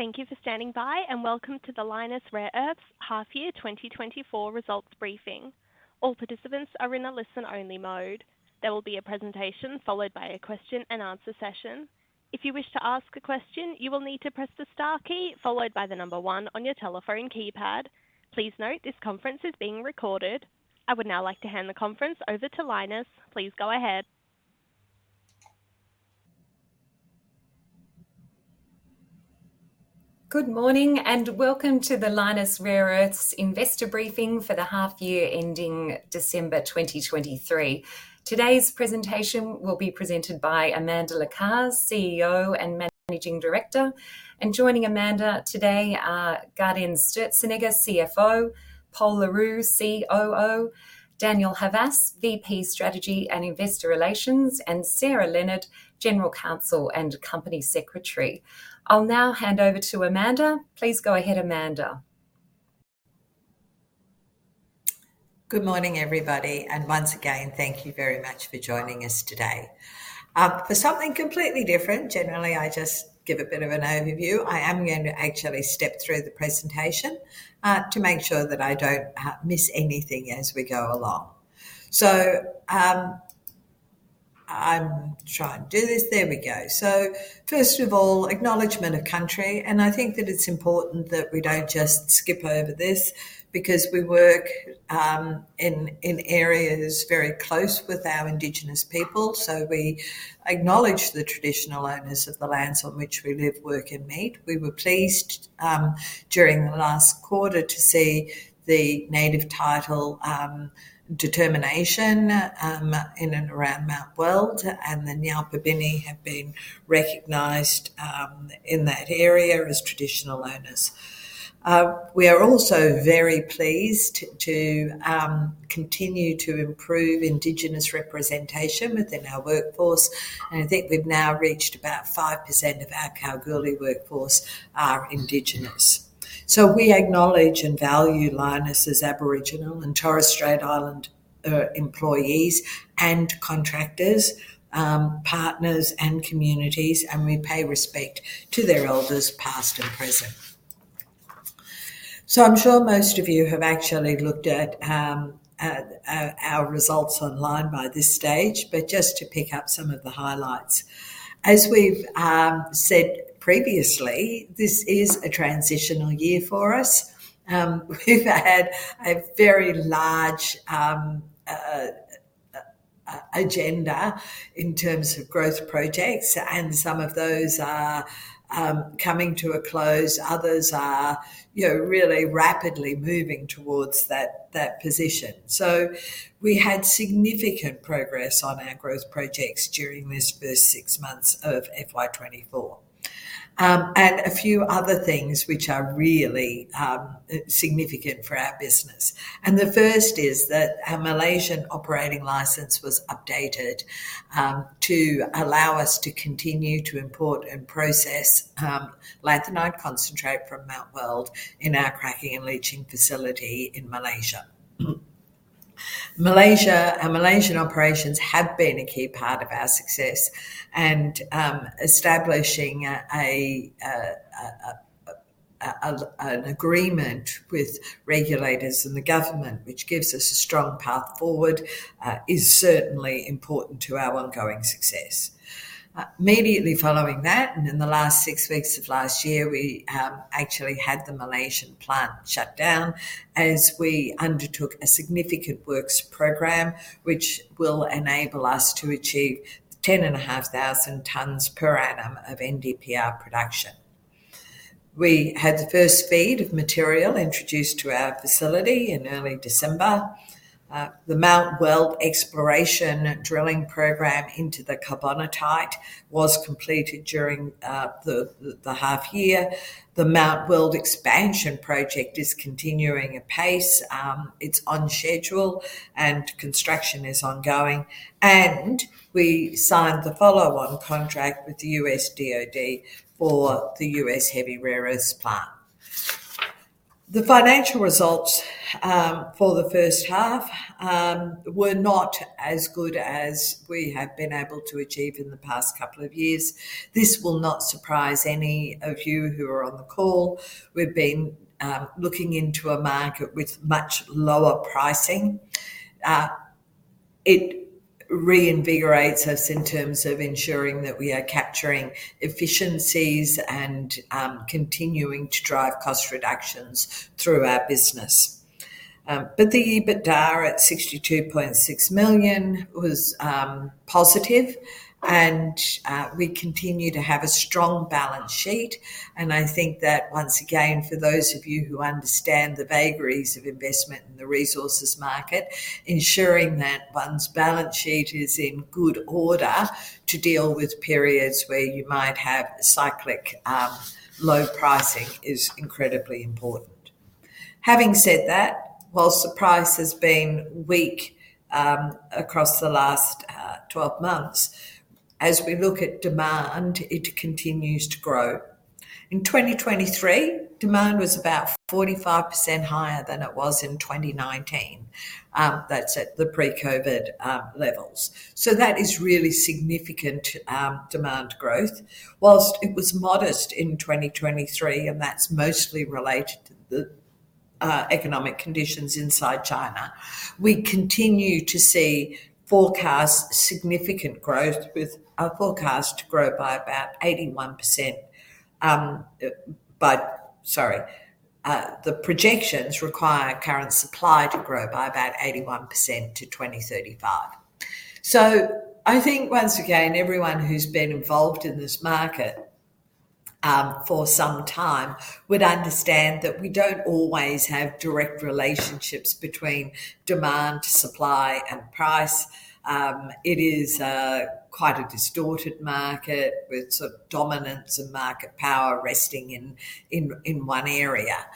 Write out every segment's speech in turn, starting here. Thank you for standing by and welcome to the Lynas Rare Earths half-year 2024 results briefing. All participants are in a listen-only mode. There will be a presentation followed by a question-and-answer session. If you wish to ask a question, you will need to press the star key followed by the number one on your telephone keypad. Please note this conference is being recorded. I would now like to hand the conference over to Lynas. Please go ahead. Good morning and welcome to the Lynas Rare Earths investor briefing for the half-year ending December 2023. Today's presentation will be presented by Amanda Lacaze, CEO and Managing Director. Joining Amanda today are Gaudenz Sturzenegger, CFO, Pol Le Roux, COO, Daniel Havas, VP Strategy and Investor Relations, and Sarah Leonard, General Counsel and Company Secretary. I'll now hand over to Amanda. Please go ahead, Amanda. Good morning, everybody. Once again, thank you very much for joining us today. For something completely different, generally I just give a bit of an overview. I am going to actually step through the presentation to make sure that I don't miss anything as we go along. So I'm trying to do this. There we go. First of all, acknowledgement of country. I think that it's important that we don't just skip over this because we work in areas very close with our Indigenous people. We acknowledge the traditional owners of the lands on which we live, work, and meet. We were pleased during the last quarter to see the Native Title determination in and around Mount Weld, and the Nyalpa Pirniku have been recognised in that area as traditional owners. We are also very pleased to continue to improve Indigenous representation within our workforce. I think we've now reached about 5% of our Kalgoorlie workforce are Indigenous. We acknowledge and value Lynas' Aboriginal and Torres Strait Islander employees and contractors, partners, and communities. We pay respect to their elders past and present. I'm sure most of you have actually looked at our results online by this stage. Just to pick up some of the highlights. As we've said previously, this is a transitional year for us. We've had a very large agenda in terms of growth projects. Some of those are coming to a close. Others are really rapidly moving towards that position. We had significant progress on our growth projects during these first six months of FY24 and a few other things which are really significant for our business. The first is that our Malaysian operating license was updated to allow us to continue to import and process lanthanide concentrate from Mount Weld in our cracking and leaching facility in Malaysia. Malaysia and Malaysian operations have been a key part of our success in establishing an agreement with regulators and the government, which gives us a strong path forward, is certainly important to our ongoing success. Immediately following that and in the last six weeks of last year, we actually had the Malaysian plant shut down as we undertook a significant works program which will enable us to achieve 10,500 tonnes per annum of NdPr production. We had the first feed of material introduced to our facility in early December. The Mount Weld exploration drilling program into the carbonatite was completed during the half-year. The Mount Weld expansion project is continuing apace. It's on schedule. Construction is ongoing. We signed the follow-on contract with the U.S. DoD for the U.S. Heavy Rare Earths plant. The financial results for the first half were not as good as we have been able to achieve in the past couple of years. This will not surprise any of you who are on the call. We've been looking into a market with much lower pricing. It reinvigorates us in terms of ensuring that we are capturing efficiencies and continuing to drive cost reductions through our business. But the EBITDA at 62.6 million was positive. We continue to have a strong balance sheet. I think that once again, for those of you who understand the vagaries of investment in the resources market, ensuring that one's balance sheet is in good order to deal with periods where you might have cyclic low pricing is incredibly important. Having said that, while the price has been weak across the last 12 months, as we look at demand, it continues to grow. In 2023, demand was about 45% higher than it was in 2019. That's at the pre-COVID levels. So that is really significant demand growth. While it was modest in 2023 and that's mostly related to the economic conditions inside China, we continue to see forecast significant growth with our forecast to grow by about 81% by. The projections require current supply to grow by about 81% to 2035. So I think once again, everyone who's been involved in this market for some time would understand that we don't always have direct relationships between demand, supply, and price. It is quite a distorted market with sort of dominance and market power resting in one area.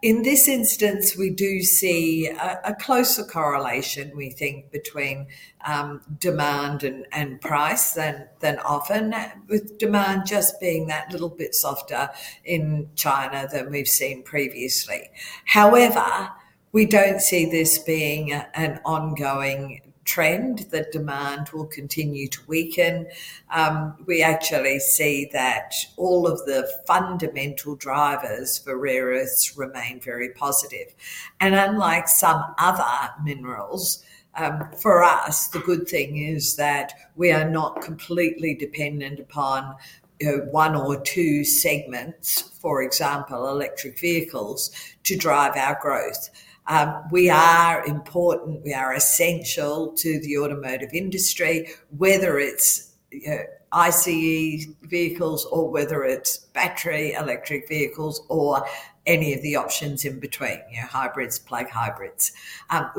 In this instance, we do see a closer correlation, we think, between demand and price than often, with demand just being that little bit softer in China than we've seen previously. However, we don't see this being an ongoing trend, that demand will continue to weaken. We actually see that all of the fundamental drivers for rare earths remain very positive. Unlike some other minerals, for us, the good thing is that we are not completely dependent upon one or two segments, for example, electric vehicles, to drive our growth. We are important. We are essential to the automotive industry, whether it's ICE vehicles or whether it's battery electric vehicles or any of the options in between, hybrids, plug hybrids.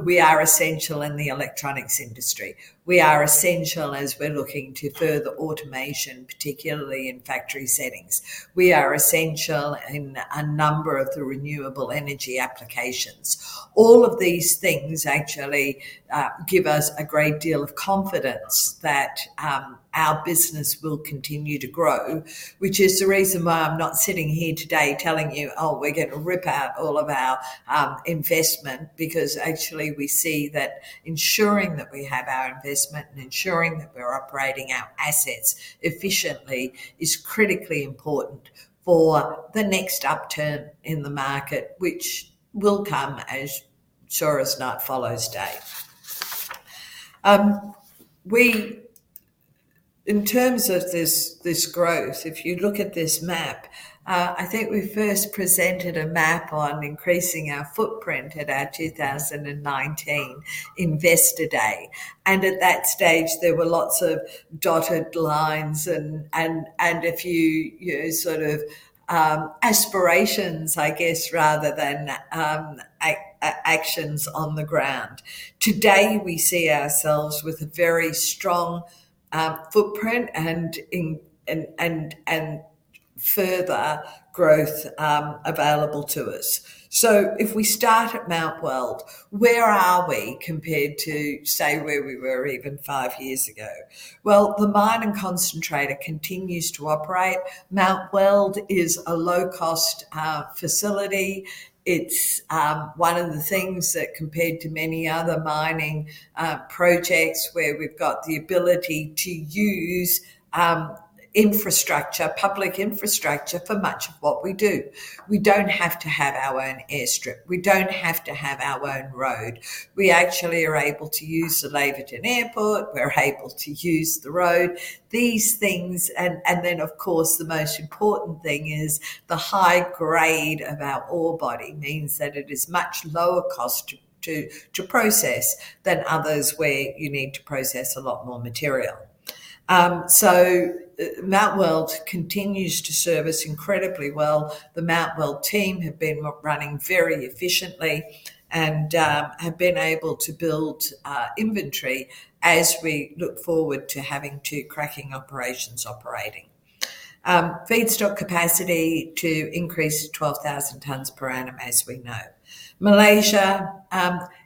We are essential in the electronics industry. We are essential as we're looking to further automation, particularly in factory settings. We are essential in a number of the renewable energy applications. All of these things actually give us a great deal of confidence that our business will continue to grow, which is the reason why I'm not sitting here today telling you, "Oh, we're going to rip out all of our investment," because actually we see that ensuring that we have our investment and ensuring that we're operating our assets efficiently is critically important for the next upturn in the market, which will come as sure as night follows day. In terms of this growth, if you look at this map, I think we first presented a map on increasing our footprint at our 2019 investor day. At that stage, there were lots of dotted lines and a few sort of aspirations, I guess, rather than actions on the ground. Today, we see ourselves with a very strong footprint and further growth available to us. So if we start at Mount Weld, where are we compared to, say, where we were even five years ago? Well, the mining concentrator continues to operate. Mount Weld is a low-cost facility. It's one of the things that, compared to many other mining projects where we've got the ability to use infrastructure, public infrastructure, for much of what we do, we don't have to have our own airstrip. We don't have to have our own road. We actually are able to use the Laverton Airport. We're able to use the road. These things and then, of course, the most important thing is the high grade of our ore body means that it is much lower cost to process than others where you need to process a lot more material. So Mount Weld continues to serve us incredibly well. The Mount Weld team have been running very efficiently and have been able to build inventory as we look forward to having two cracking operations operating. Feedstock capacity to increase to 12,000 tons per annum, as we know. Malaysia,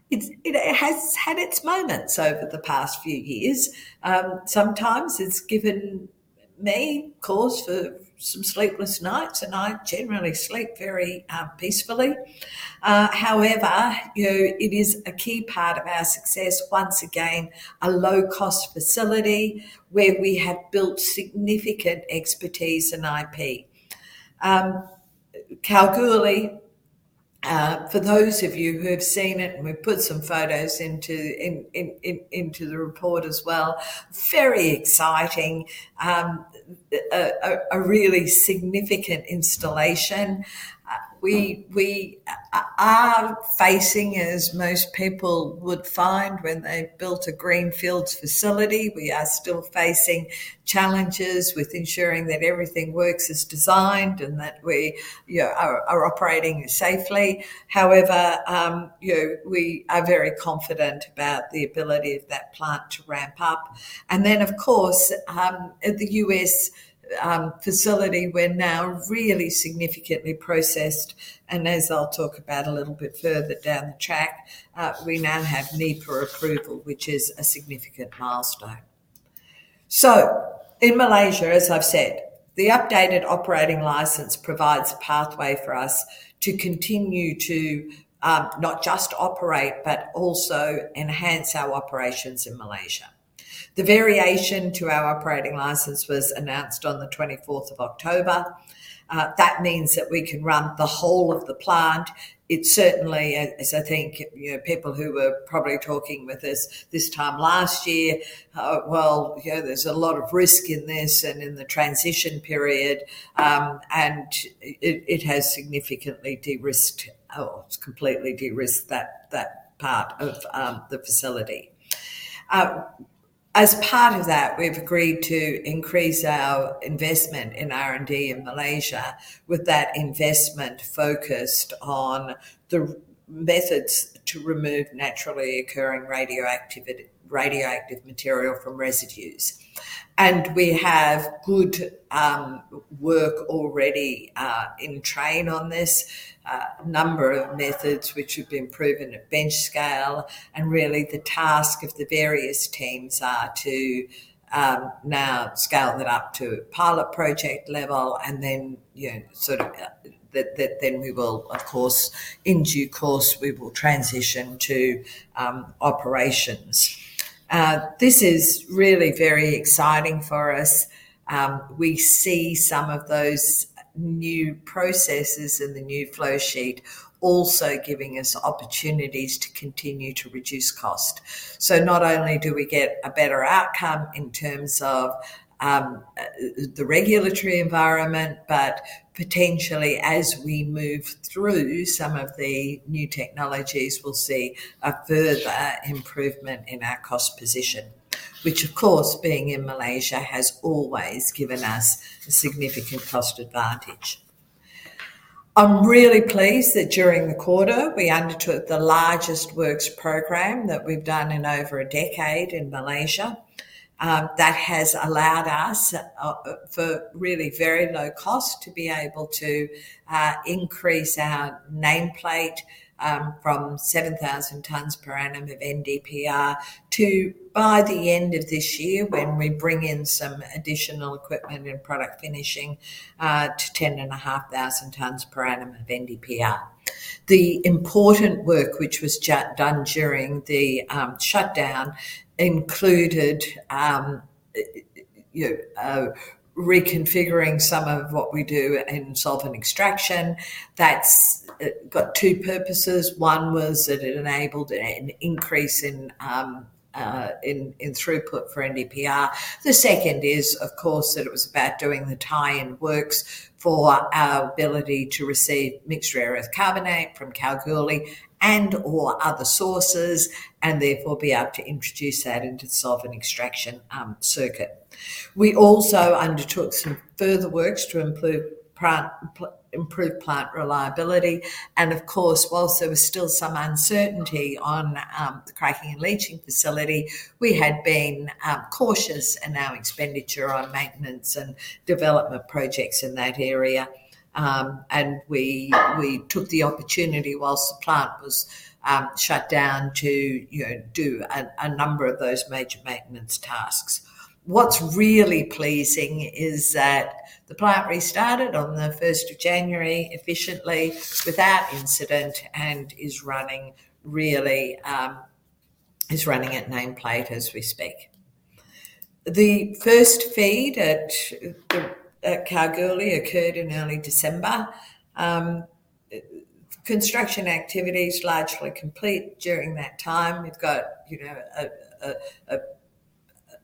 it has had its moments over the past few years. Sometimes it's given me cause for some sleepless nights. And I generally sleep very peacefully. However, it is a key part of our success, once again, a low-cost facility where we have built significant expertise and IP. Kalgoorlie, for those of you who have seen it and we've put some photos into the report as well, very exciting, a really significant installation. We are facing, as most people would find when they built a greenfield facility, we are still facing challenges with ensuring that everything works as designed and that we are operating safely. However, we are very confident about the ability of that plant to ramp up. Then, of course, at the U.S. facility, we're now really significantly progressed. As I'll talk about a little bit further down the track, we now have NEPA approval, which is a significant milestone. In Malaysia, as I've said, the updated operating license provides a pathway for us to continue to not just operate but also enhance our operations in Malaysia. The variation to our operating license was announced on the 24th of October. That means that we can run the whole of the plant. It certainly, as I think people who were probably talking with us this time last year, well, there's a lot of risk in this and in the transition period. It has significantly de-risked or completely de-risked that part of the facility. As part of that, we've agreed to increase our investment in R&D in Malaysia with that investment focused on the methods to remove naturally occurring radioactive material from residues. We have good work already in train on this, a number of methods which have been proven at bench scale. Really, the task of the various teams are to now scale that up to pilot project level. Then we will, of course, in due course, we will transition to operations. This is really very exciting for us. We see some of those new processes in the new flow sheet also giving us opportunities to continue to reduce cost. So not only do we get a better outcome in terms of the regulatory environment, but potentially, as we move through some of the new technologies, we'll see a further improvement in our cost position, which, of course, being in Malaysia has always given us a significant cost advantage. I'm really pleased that during the quarter we undertook the largest works program that we've done in over a decade in Malaysia. That has allowed us, for really very low cost, to be able to increase our nameplate from 7,000 tons per annum of NdPr to, by the end of this year, when we bring in some additional equipment and product finishing, to 10,500 tons per annum of NdPr. The important work which was done during the shutdown included reconfiguring some of what we do in solvent extraction. That's got two purposes. One was that it enabled an increase in throughput for NdPr. The second is, of course, that it was about doing the tie-in works for our ability to receive mixed rare earth carbonate from Kalgoorlie and/or other sources and therefore be able to introduce that into the solvent extraction circuit. We also undertook some further works to improve plant reliability. And of course, while there was still some uncertainty on the cracking and leaching facility, we had been cautious in our expenditure on maintenance and development projects in that area. And we took the opportunity, while the plant was shut down, to do a number of those major maintenance tasks. What's really pleasing is that the plant restarted on the 1st of January efficiently, without incident, and is running really is running at nameplate as we speak. The first feed at Kalgoorlie occurred in early December. Construction activities largely complete during that time. We've got a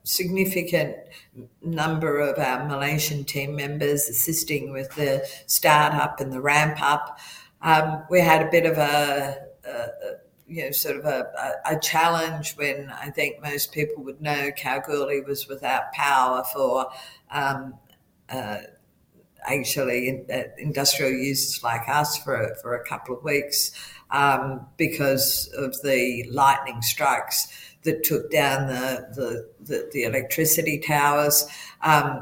significant number of our Malaysian team members assisting with the startup and the ramp-up. We had a bit of a sort of a challenge when I think most people would know Kalgoorlie was without power for actually industrial users like us for a couple of weeks because of the lightning strikes that took down the electricity towers.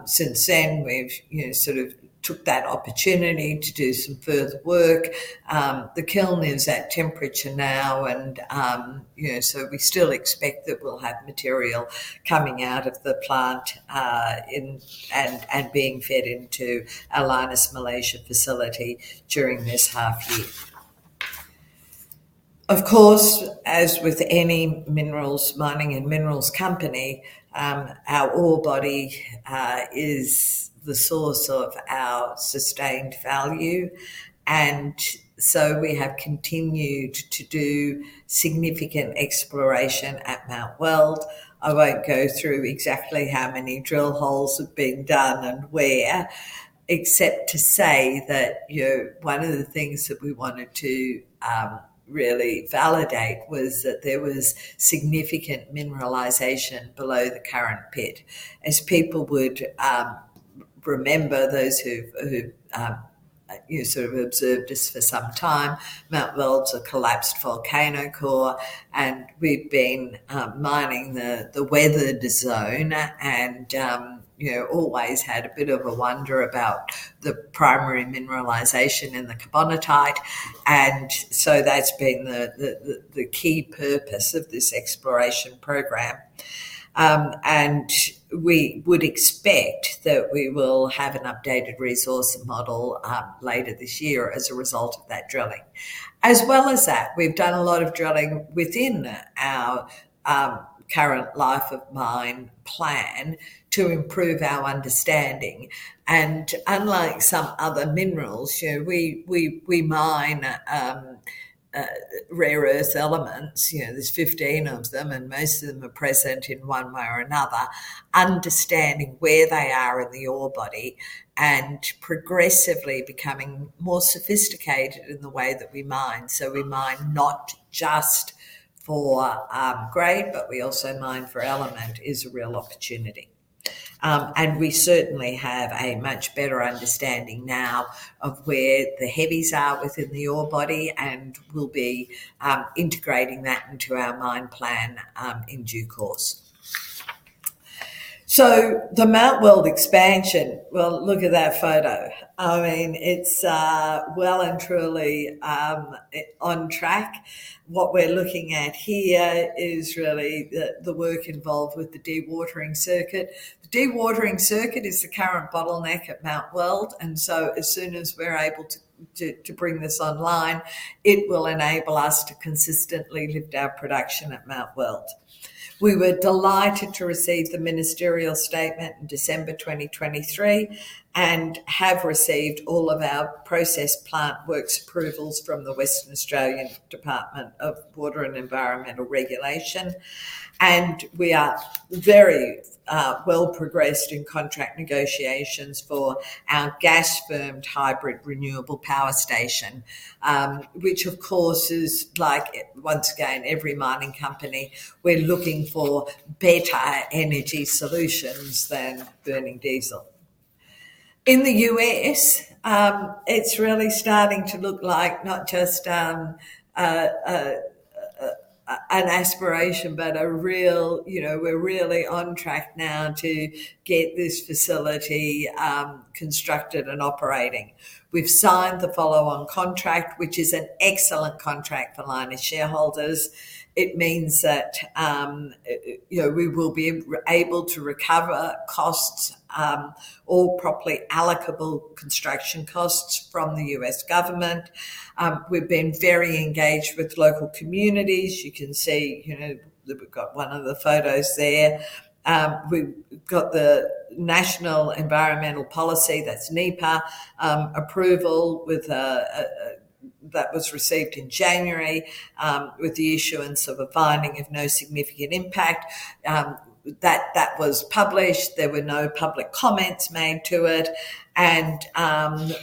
Since then, we've sort of took that opportunity to do some further work. The kiln is at temperature now. And so we still expect that we'll have material coming out of the plant and being fed into our Lynas Malaysia facility during this half-year. Of course, as with any minerals, mining and minerals company, our ore body is the source of our sustained value. And so we have continued to do significant exploration at Mount Weld. I won't go through exactly how many drill holes have been done and where, except to say that one of the things that we wanted to really validate was that there was significant mineralization below the current pit. As people would remember, those who sort of observed us for some time, Mount Weld's a collapsed volcano core. And we've been mining the weathered zone and always had a bit of a wonder about the primary mineralization in the carbonatite. And so that's been the key purpose of this exploration program. And we would expect that we will have an updated resource model later this year as a result of that drilling. As well as that, we've done a lot of drilling within our current life-of-mine plan to improve our understanding. Unlike some other minerals, we mine rare earth elements. There's 15 of them. Most of them are present in one way or another, understanding where they are in the ore body and progressively becoming more sophisticated in the way that we mine. So we mine not just for grade, but we also mine for element is a real opportunity. We certainly have a much better understanding now of where the heavies are within the ore body. We'll be integrating that into our mine plan in due course. The Mount Weld expansion, well, look at that photo. I mean, it's well and truly on track. What we're looking at here is really the work involved with the dewatering circuit. The dewatering circuit is the current bottleneck at Mount Weld. So as soon as we're able to bring this online, it will enable us to consistently lift our production at Mount Weld. We were delighted to receive the ministerial statement in December 2023 and have received all of our processing plant works approvals from the Western Australian Department of Water and Environmental Regulation. We are very well progressed in contract negotiations for our gas-fired hybrid renewable power station, which, of course, is like once again, every mining company, we're looking for better energy solutions than burning diesel. In the U.S., it's really starting to look like not just an aspiration but a real we're really on track now to get this facility constructed and operating. We've signed the follow-on contract, which is an excellent contract for Lynas shareholders. It means that we will be able to recover costs, all properly allocable construction costs, from the U.S. government. We've been very engaged with local communities. You can see we've got one of the photos there. We've got the National Environmental Policy, that's NEPA, approval that was received in January with the issuance of a finding of no significant impact. That was published. There were no public comments made to it.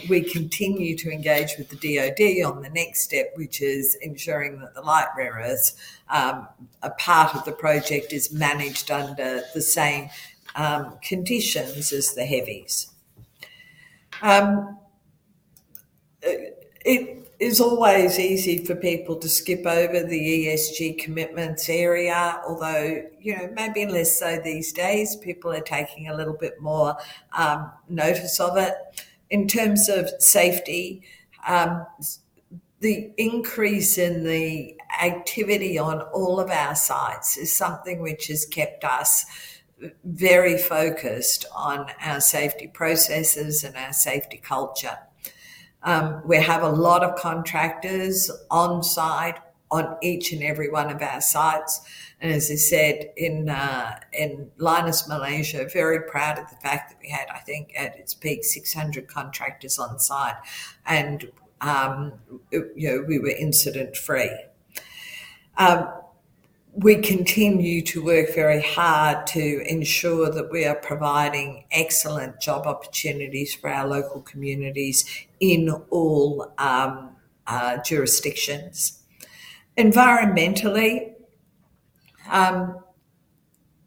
We continue to engage with the DoD on the next step, which is ensuring that the light rare earths, a part of the project, is managed under the same conditions as the heavies. It is always easy for people to skip over the ESG commitments area, although maybe less so these days. People are taking a little bit more notice of it. In terms of safety, the increase in the activity on all of our sites is something which has kept us very focused on our safety processes and our safety culture. We have a lot of contractors on site on each and every one of our sites. And as I said, in Lynas Malaysia, very proud of the fact that we had, I think, at its peak, 600 contractors on site. And we were incident-free. We continue to work very hard to ensure that we are providing excellent job opportunities for our local communities in all jurisdictions. Environmentally,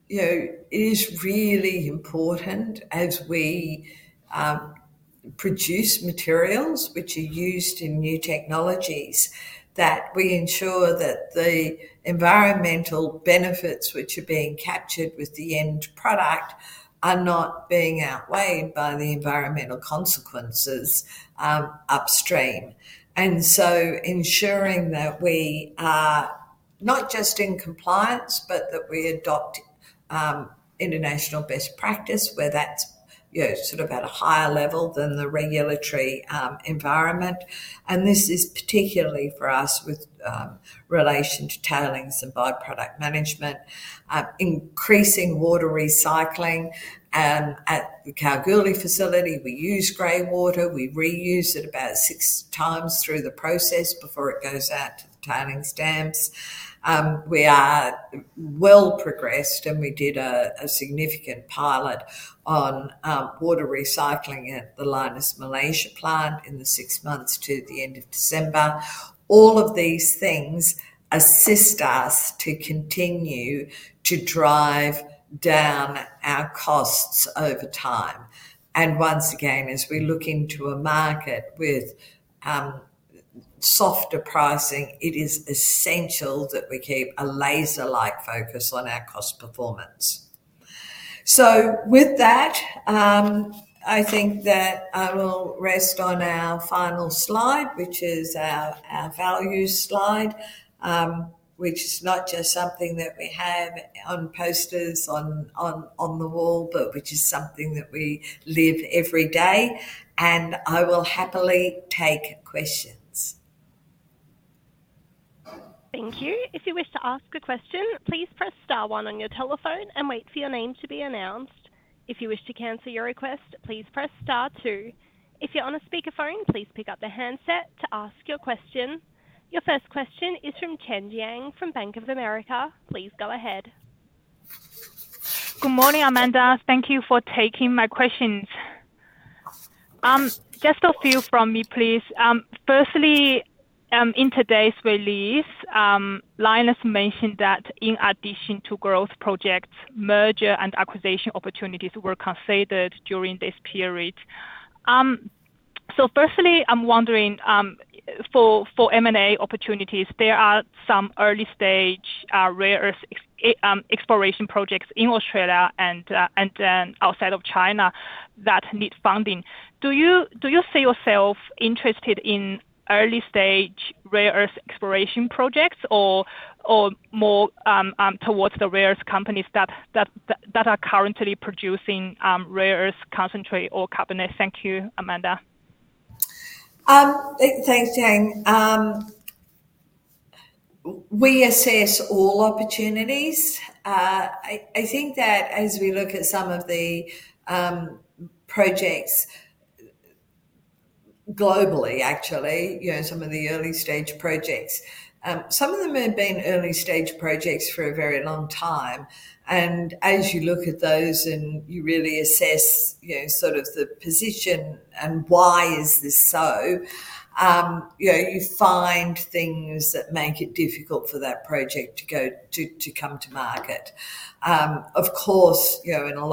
it is really important as we produce materials which are used in new technologies that we ensure that the environmental benefits which are being captured with the end product are not being outweighed by the environmental consequences upstream. Ensuring that we are not just in compliance but that we adopt international best practice where that's sort of at a higher level than the regulatory environment. This is particularly for us with relation to tailings and byproduct management, increasing water recycling. At the Kalgoorlie facility, we use gray water. We reuse it about six times through the process before it goes out to the tailings dams. We are well progressed. We did a significant pilot on water recycling at the Lynas Malaysia plant in the six months to the end of December. All of these things assist us to continue to drive down our costs over time. Once again, as we look into a market with softer pricing, it is essential that we keep a laser-like focus on our cost performance. So with that, I think that I will rest on our final slide, which is our values slide, which is not just something that we have on posters on the wall but which is something that we live every day. And I will happily take questions. Thank you. If you wish to ask a question, please press star one on your telephone and wait for your name to be announced. If you wish to cancel your request, please press star two. If you're on a speakerphone, please pick up the handset to ask your question. Your first question is from Chen Jiang from Bank of America. Please go ahead. Good morning, Amanda. Thank you for taking my questions. Just a few from me, please. Firstly, in today's release, Lynas mentioned that in addition to growth projects, merger and acquisition opportunities were considered during this period. So, firstly, I'm wondering, for M&A opportunities, there are some early-stage rare earth exploration projects in Australia and then outside of China that need funding. Do you see yourself interested in early-stage rare earth exploration projects or more towards the rare earth companies that are currently producing rare earth concentrate or carbonate? Thank you, Amanda. Thanks, Jiang. We assess all opportunities. I think that as we look at some of the projects globally, actually, some of the early-stage projects, some of them have been early-stage projects for a very long time. And as you look at those and you really assess sort of the position and why is this so, you find things that make it difficult for that project to come to market. Of course, in a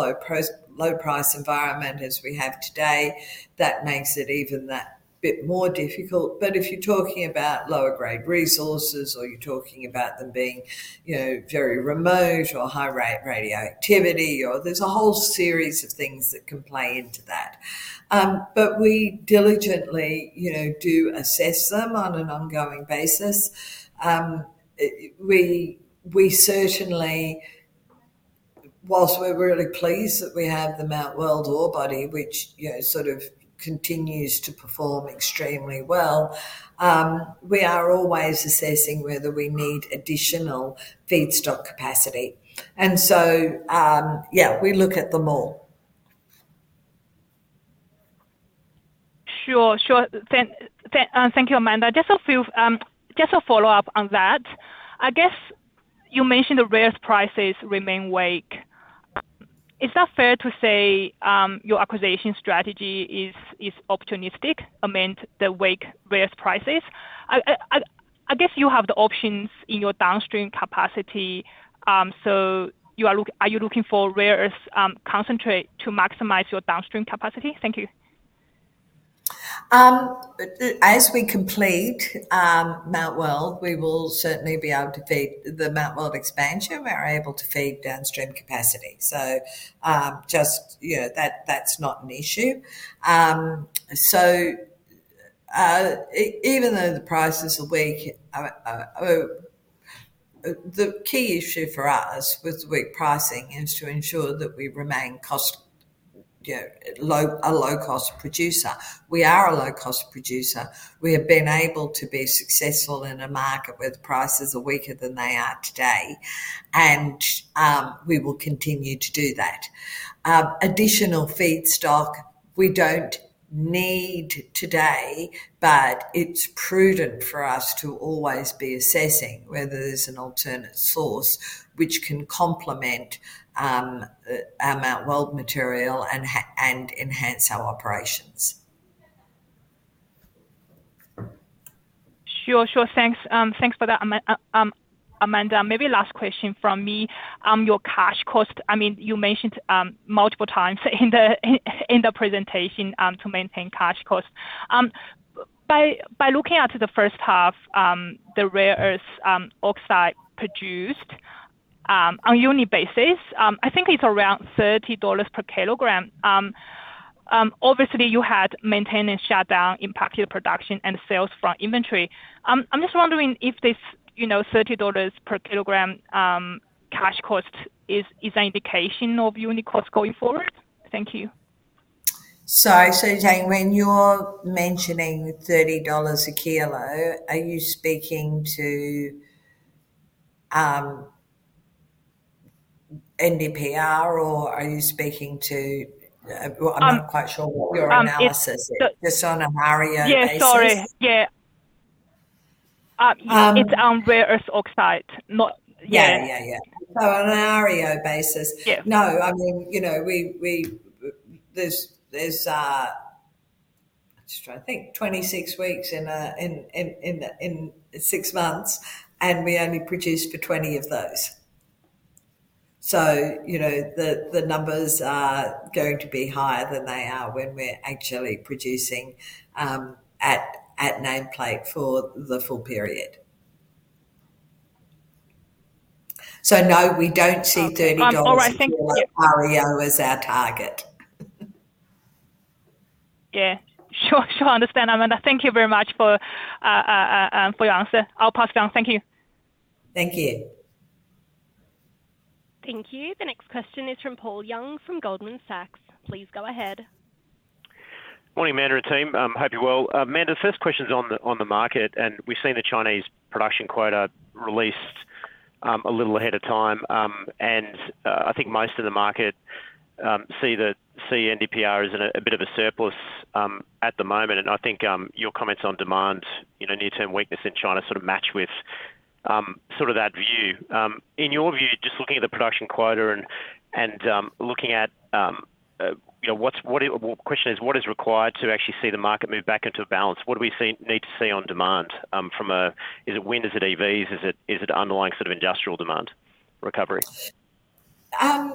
low-price environment as we have today, that makes it even that bit more difficult. But if you're talking about lower-grade resources or you're talking about them being very remote or high-rate radioactivity, there's a whole series of things that can play into that. But we diligently do assess them on an ongoing basis. We certainly, while we're really pleased that we have the Mount Weld ore body, which sort of continues to perform extremely well, we are always assessing whether we need additional feedstock capacity. And so, yeah, we look at them all. Sure. Sure. Thank you, Amanda. Just a follow-up on that. I guess you mentioned the rare earth prices remain weak. Is that fair to say your acquisition strategy is opportunistic amid the weak rare earth prices? I guess you have the options in your downstream capacity. So are you looking for rare earth concentrate to maximize your downstream capacity? Thank you. As we complete Mount Weld, we will certainly be able to feed the Mount Weld expansion. We are able to feed downstream capacity. So just that's not an issue. So even though the prices are weak, the key issue for us with weak pricing is to ensure that we remain a low-cost producer. We are a low-cost producer. We have been able to be successful in a market where the prices are weaker than they are today. And we will continue to do that. Additional feedstock, we don't need today. But it's prudent for us to always be assessing whether there's an alternate source which can complement our Mount Weld material and enhance our operations. Sure. Sure. Thanks for that, Amanda. Maybe last question from me. Your cash cost, I mean, you mentioned multiple times in the presentation to maintain cash cost. By looking at the first half, the rare earth oxide produced on a unit basis, I think it's around $30 per kilogram. Obviously, you had maintenance shutdown impacted production and sales from inventory. I'm just wondering if this $30 per kilogram cash cost is an indication of unit cost going forward? Thank you. Sorry. So, Jiang, when you're mentioning $30 a kilo, are you speaking to NdPr? Or are you speaking to? I'm not quite sure what your analysis is. Just on a REO basis. Yeah. Sorry. Yeah. It's on rare earth oxide. Yeah. Yeah. Yeah. Yeah. So on a REO basis, no. I mean, there's—I'm just trying to think. 26 weeks in 6 months. And we only produce for 20 of those. So the numbers are going to be higher than they are when we're actually producing at nameplate for the full period. So no, we don't see $30 for REO as our target. Yeah. Sure. Sure. I understand, Amanda. Thank you very much for your answer. I'll pass it on. Thank you. Thank you. Thank you. The next question is from Paul Young from Goldman Sachs. Please go ahead. Good morning, Amanda and team. Hope you're well. Amanda, the first question's on the market. And we've seen the Chinese production quota released a little ahead of time. And I think most of the market see NdPr as a bit of a surplus at the moment. And I think your comments on demand, near-term weakness in China sort of match with sort of that view. In your view, just looking at the production quota and looking at what the quota is, what is required to actually see the market move back into a balance? What do we need to see on demand from a—is it wind? Is it EVs? Is it underlying sort of industrial demand recovery? A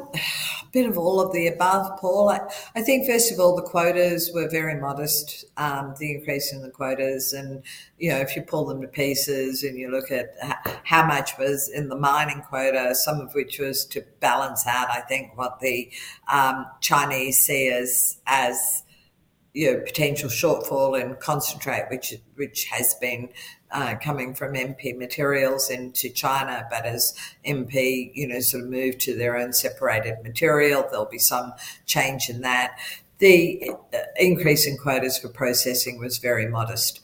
bit of all of the above, Paul. I think, first of all, the quotas were very modest, the increase in the quotas. And if you pull them to pieces and you look at how much was in the mining quota, some of which was to balance out, I think, what the Chinese see as potential shortfall in concentrate, which has been coming from MP Materials into China. But as MP sort of move to their own separated material, there'll be some change in that. The increase in quotas for processing was very modest.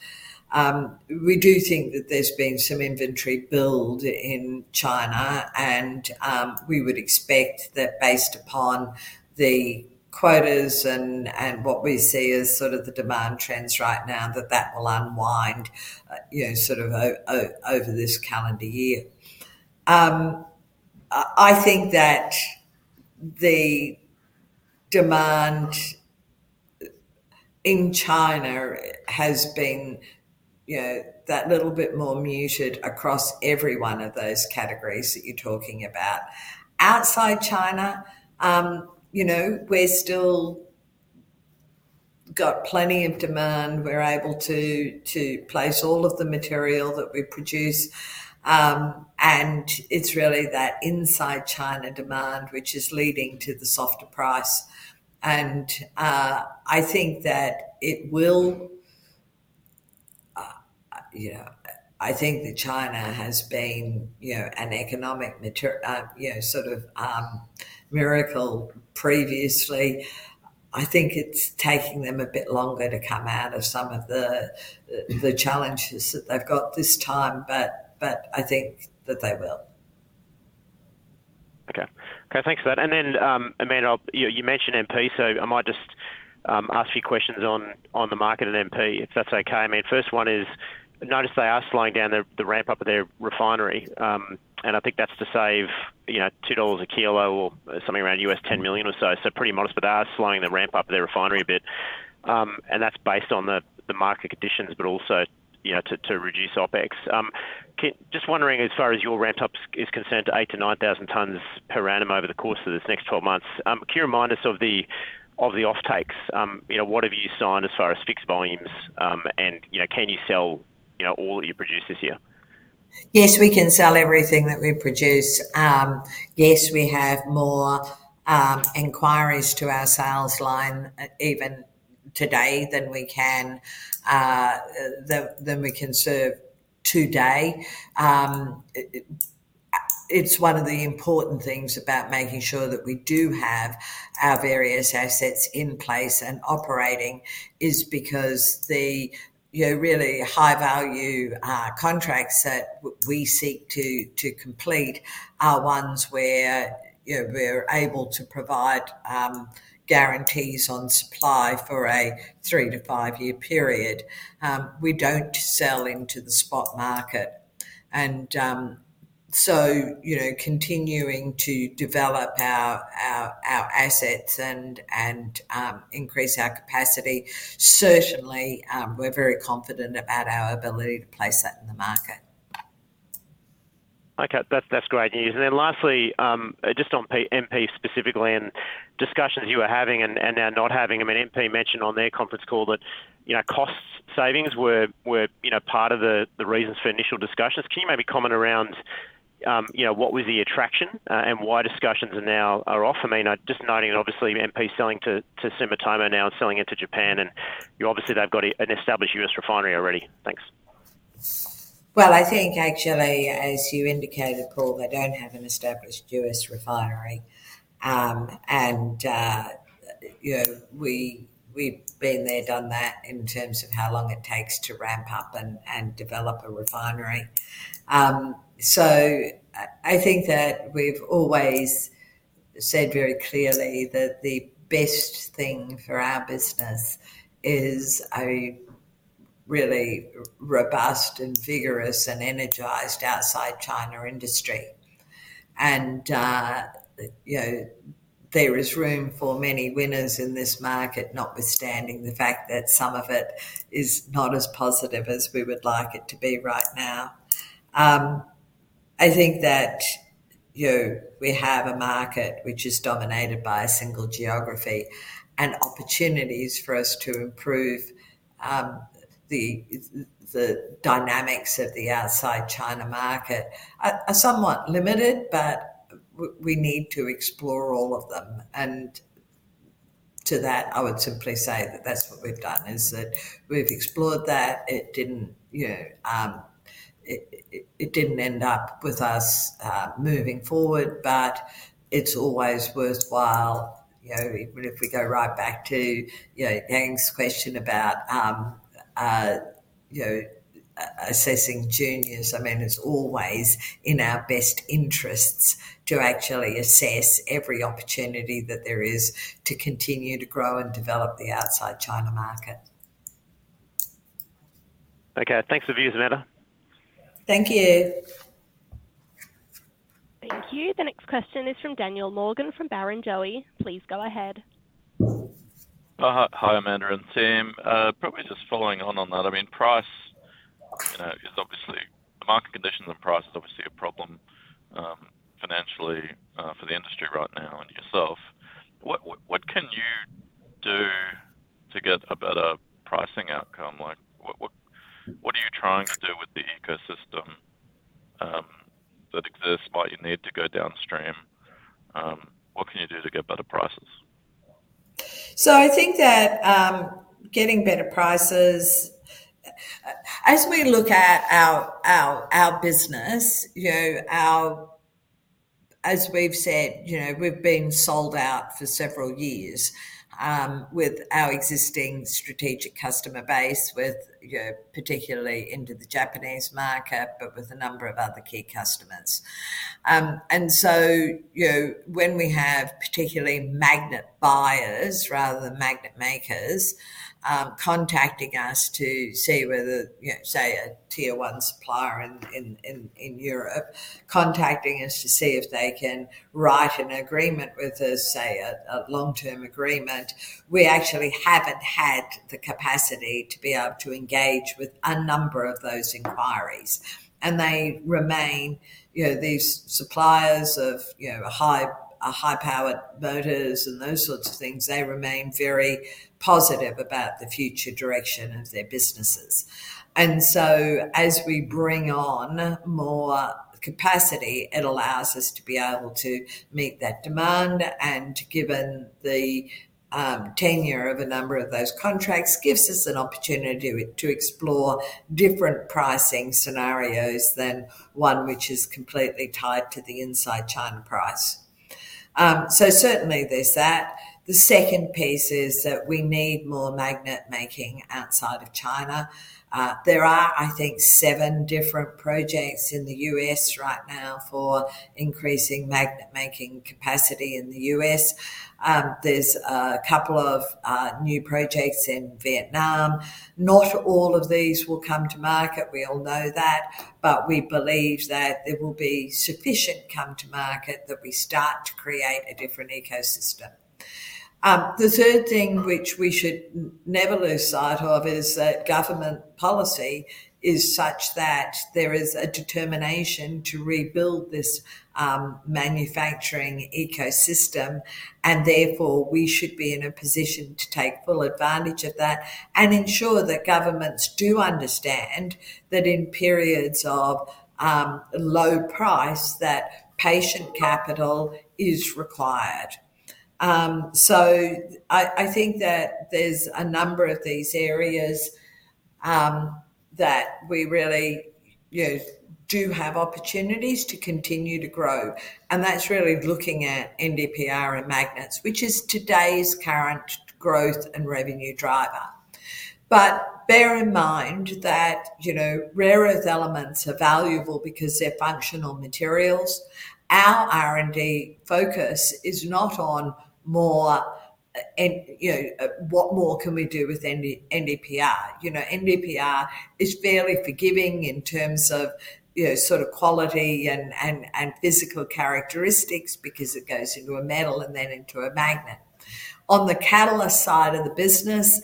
We do think that there's been some inventory build in China. And we would expect that based upon the quotas and what we see as sort of the demand trends right now, that that will unwind sort of over this calendar year. I think that the demand in China has been that little bit more muted across every one of those categories that you're talking about. Outside China, we've still got plenty of demand. We're able to place all of the material that we produce. And it's really that inside China demand which is leading to the softer price. And I think that it will I think that China has been an economic sort of miracle previously. I think it's taking them a bit longer to come out of some of the challenges that they've got this time. But I think that they will. Okay. Okay. Thanks for that. And then, Amanda, you mentioned MP. So I might just ask a few questions on the market and MP, if that's okay. I mean, first one is, I noticed they are slowing down the ramp-up of their refinery. And I think that's to save $2 a kilo or something around $10 million or so. So pretty modest. But they are slowing the ramp-up of their refinery a bit. And that's based on the market conditions but also to reduce OpEx. Just wondering, as far as your ramp-up is concerned, 8,000-9,000 tonnes per annum over the course of this next 12 months. Can you remind us of the offtakes? What have you signed as far as fixed volumes? And can you sell all that you produce this year? Yes. We can sell everything that we produce. Yes. We have more inquiries to our sales line even today than we can serve today. It's one of the important things about making sure that we do have our various assets in place and operating is because the really high-value contracts that we seek to complete are ones where we're able to provide guarantees on supply for a 3-5-year period. We don't sell into the spot market. And so continuing to develop our assets and increase our capacity, certainly, we're very confident about our ability to place that in the market. Okay. That's great news. And then lastly, just on MP specifically and discussions you were having and now not having. I mean, MP mentioned on their conference call that cost savings were part of the reasons for initial discussions. Can you maybe comment around what was the attraction and why discussions are now off? I mean, just noting that, obviously, MP's selling to Sumitomo now and selling into Japan. And obviously, they've got an established U.S. refinery already. Thanks. Well, I think, actually, as you indicated, Paul, they don't have an established U.S. refinery. And we've been there, done that in terms of how long it takes to ramp up and develop a refinery. So I think that we've always said very clearly that the best thing for our business is a really robust and vigorous and energized outside China industry. And there is room for many winners in this market notwithstanding the fact that some of it is not as positive as we would like it to be right now. I think that we have a market which is dominated by a single geography. And opportunities for us to improve the dynamics of the outside China market are somewhat limited. But we need to explore all of them. To that, I would simply say that that's what we've done, is that we've explored that. It didn't end up with us moving forward. It's always worthwhile. Even if we go right back to Jiang's question about assessing juniors, I mean, it's always in our best interests to actually assess every opportunity that there is to continue to grow and develop the outside China market. Okay. Thanks for views, Amanda. Thank you. Thank you. The next question is from Daniel Morgan from Barrenjoey. Please go ahead. Hi, Amanda and team. Probably just following on on that. I mean, price is obviously the market conditions and price is obviously a problem financially for the industry right now and yourself. What can you do to get a better pricing outcome? What are you trying to do with the ecosystem that exists but you need to go downstream? What can you do to get better prices? So I think that getting better prices as we look at our business, as we've said, we've been sold out for several years with our existing strategic customer base, particularly into the Japanese market but with a number of other key customers. And so when we have particularly magnet buyers rather than magnet makers contacting us to see whether, say, a tier one supplier in Europe, contacting us to see if they can write an agreement with us, say, a long-term agreement, we actually haven't had the capacity to be able to engage with a number of those inquiries. And these suppliers of high-powered motors and those sorts of things, they remain very positive about the future direction of their businesses. And so as we bring on more capacity, it allows us to be able to meet that demand. And given the tenure of a number of those contracts, it gives us an opportunity to explore different pricing scenarios than one which is completely tied to the inside China price. So certainly, there's that. The second piece is that we need more magnet-making outside of China. There are, I think, seven different projects in the U.S. right now for increasing magnet-making capacity in the U.S. There's a couple of new projects in Vietnam. Not all of these will come to market. We all know that. But we believe that there will be sufficient come to market that we start to create a different ecosystem. The third thing which we should never lose sight of is that government policy is such that there is a determination to rebuild this manufacturing ecosystem. Therefore, we should be in a position to take full advantage of that and ensure that governments do understand that in periods of low price, that patient capital is required. I think that there's a number of these areas that we really do have opportunities to continue to grow. That's really looking at NdPr and magnets, which is today's current growth and revenue driver. But bear in mind that rare earth elements are valuable because they're functional materials. Our R&D focus is not on what more can we do with NdPr. NdPr is fairly forgiving in terms of sort of quality and physical characteristics because it goes into a metal and then into a magnet. On the catalyst side of the business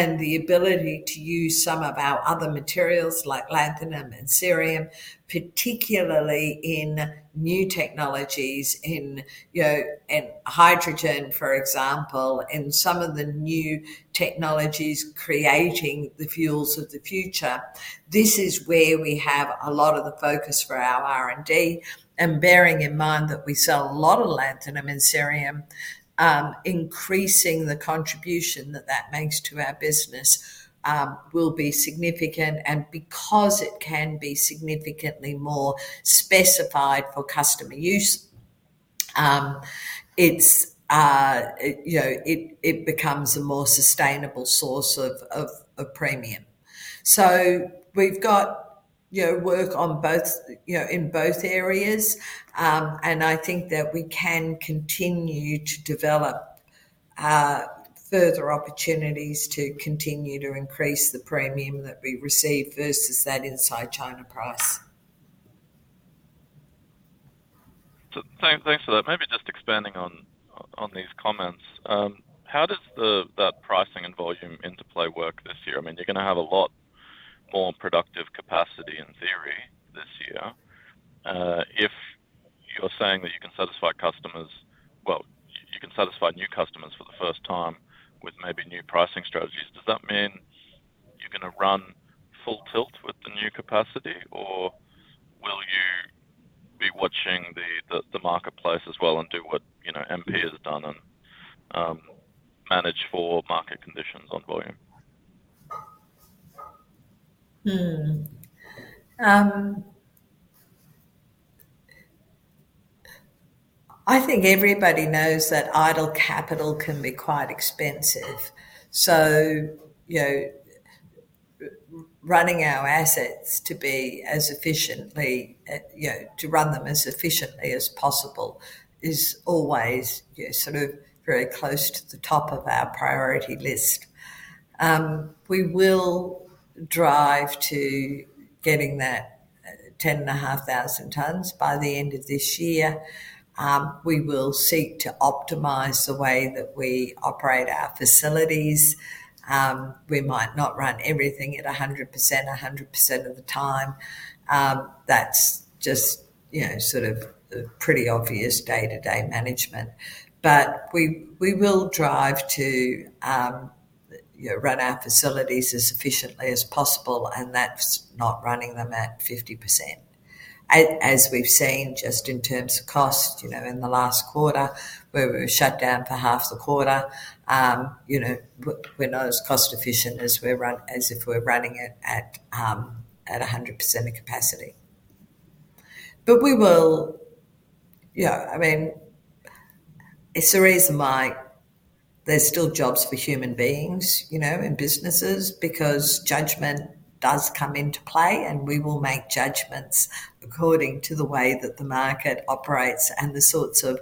and the ability to use some of our other materials like lanthanum and cerium, particularly in new technologies in hydrogen, for example, and some of the new technologies creating the fuels of the future, this is where we have a lot of the focus for our R&D. Bearing in mind that we sell a lot of lanthanum and cerium, increasing the contribution that that makes to our business will be significant. Because it can be significantly more specified for customer use, it becomes a more sustainable source of premium. We've got work in both areas. I think that we can continue to develop further opportunities to continue to increase the premium that we receive versus that inside China price. Thanks for that. Maybe just expanding on these comments. How does that pricing and volume interplay work this year? I mean, you're going to have a lot more productive capacity in theory this year. If you're saying that you can satisfy customers well, you can satisfy new customers for the first time with maybe new pricing strategies, does that mean you're going to run full tilt with the new capacity? Or will you be watching the marketplace as well and do what MP has done and manage for market conditions on volume? I think everybody knows that idle capital can be quite expensive. So running our assets to be as efficiently to run them as efficiently as possible is always sort of very close to the top of our priority list. We will drive to getting that 10,500 tonnes by the end of this year. We will seek to optimize the way that we operate our facilities. We might not run everything at 100% 100% of the time. That's just sort of pretty obvious day-to-day management. But we will drive to run our facilities as efficiently as possible. And that's not running them at 50%. As we've seen just in terms of cost in the last quarter, where we were shut down for half the quarter, we're not as cost-efficient as if we're running it at 100% of capacity. But we will, I mean, it's the reason why there's still jobs for human beings in businesses because judgment does come into play. And we will make judgments according to the way that the market operates and the sorts of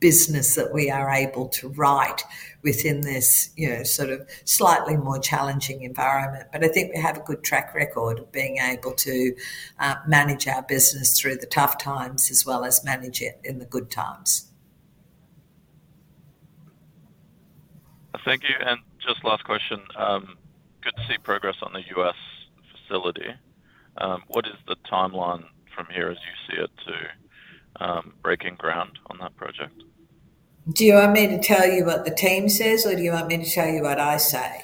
business that we are able to write within this sort of slightly more challenging environment. But I think we have a good track record of being able to manage our business through the tough times as well as manage it in the good times. Thank you. Just last question. Good to see progress on the U.S. facility. What is the timeline from here as you see it to breaking ground on that project? Do you want me to tell you what the team says? Or do you want me to tell you what I say?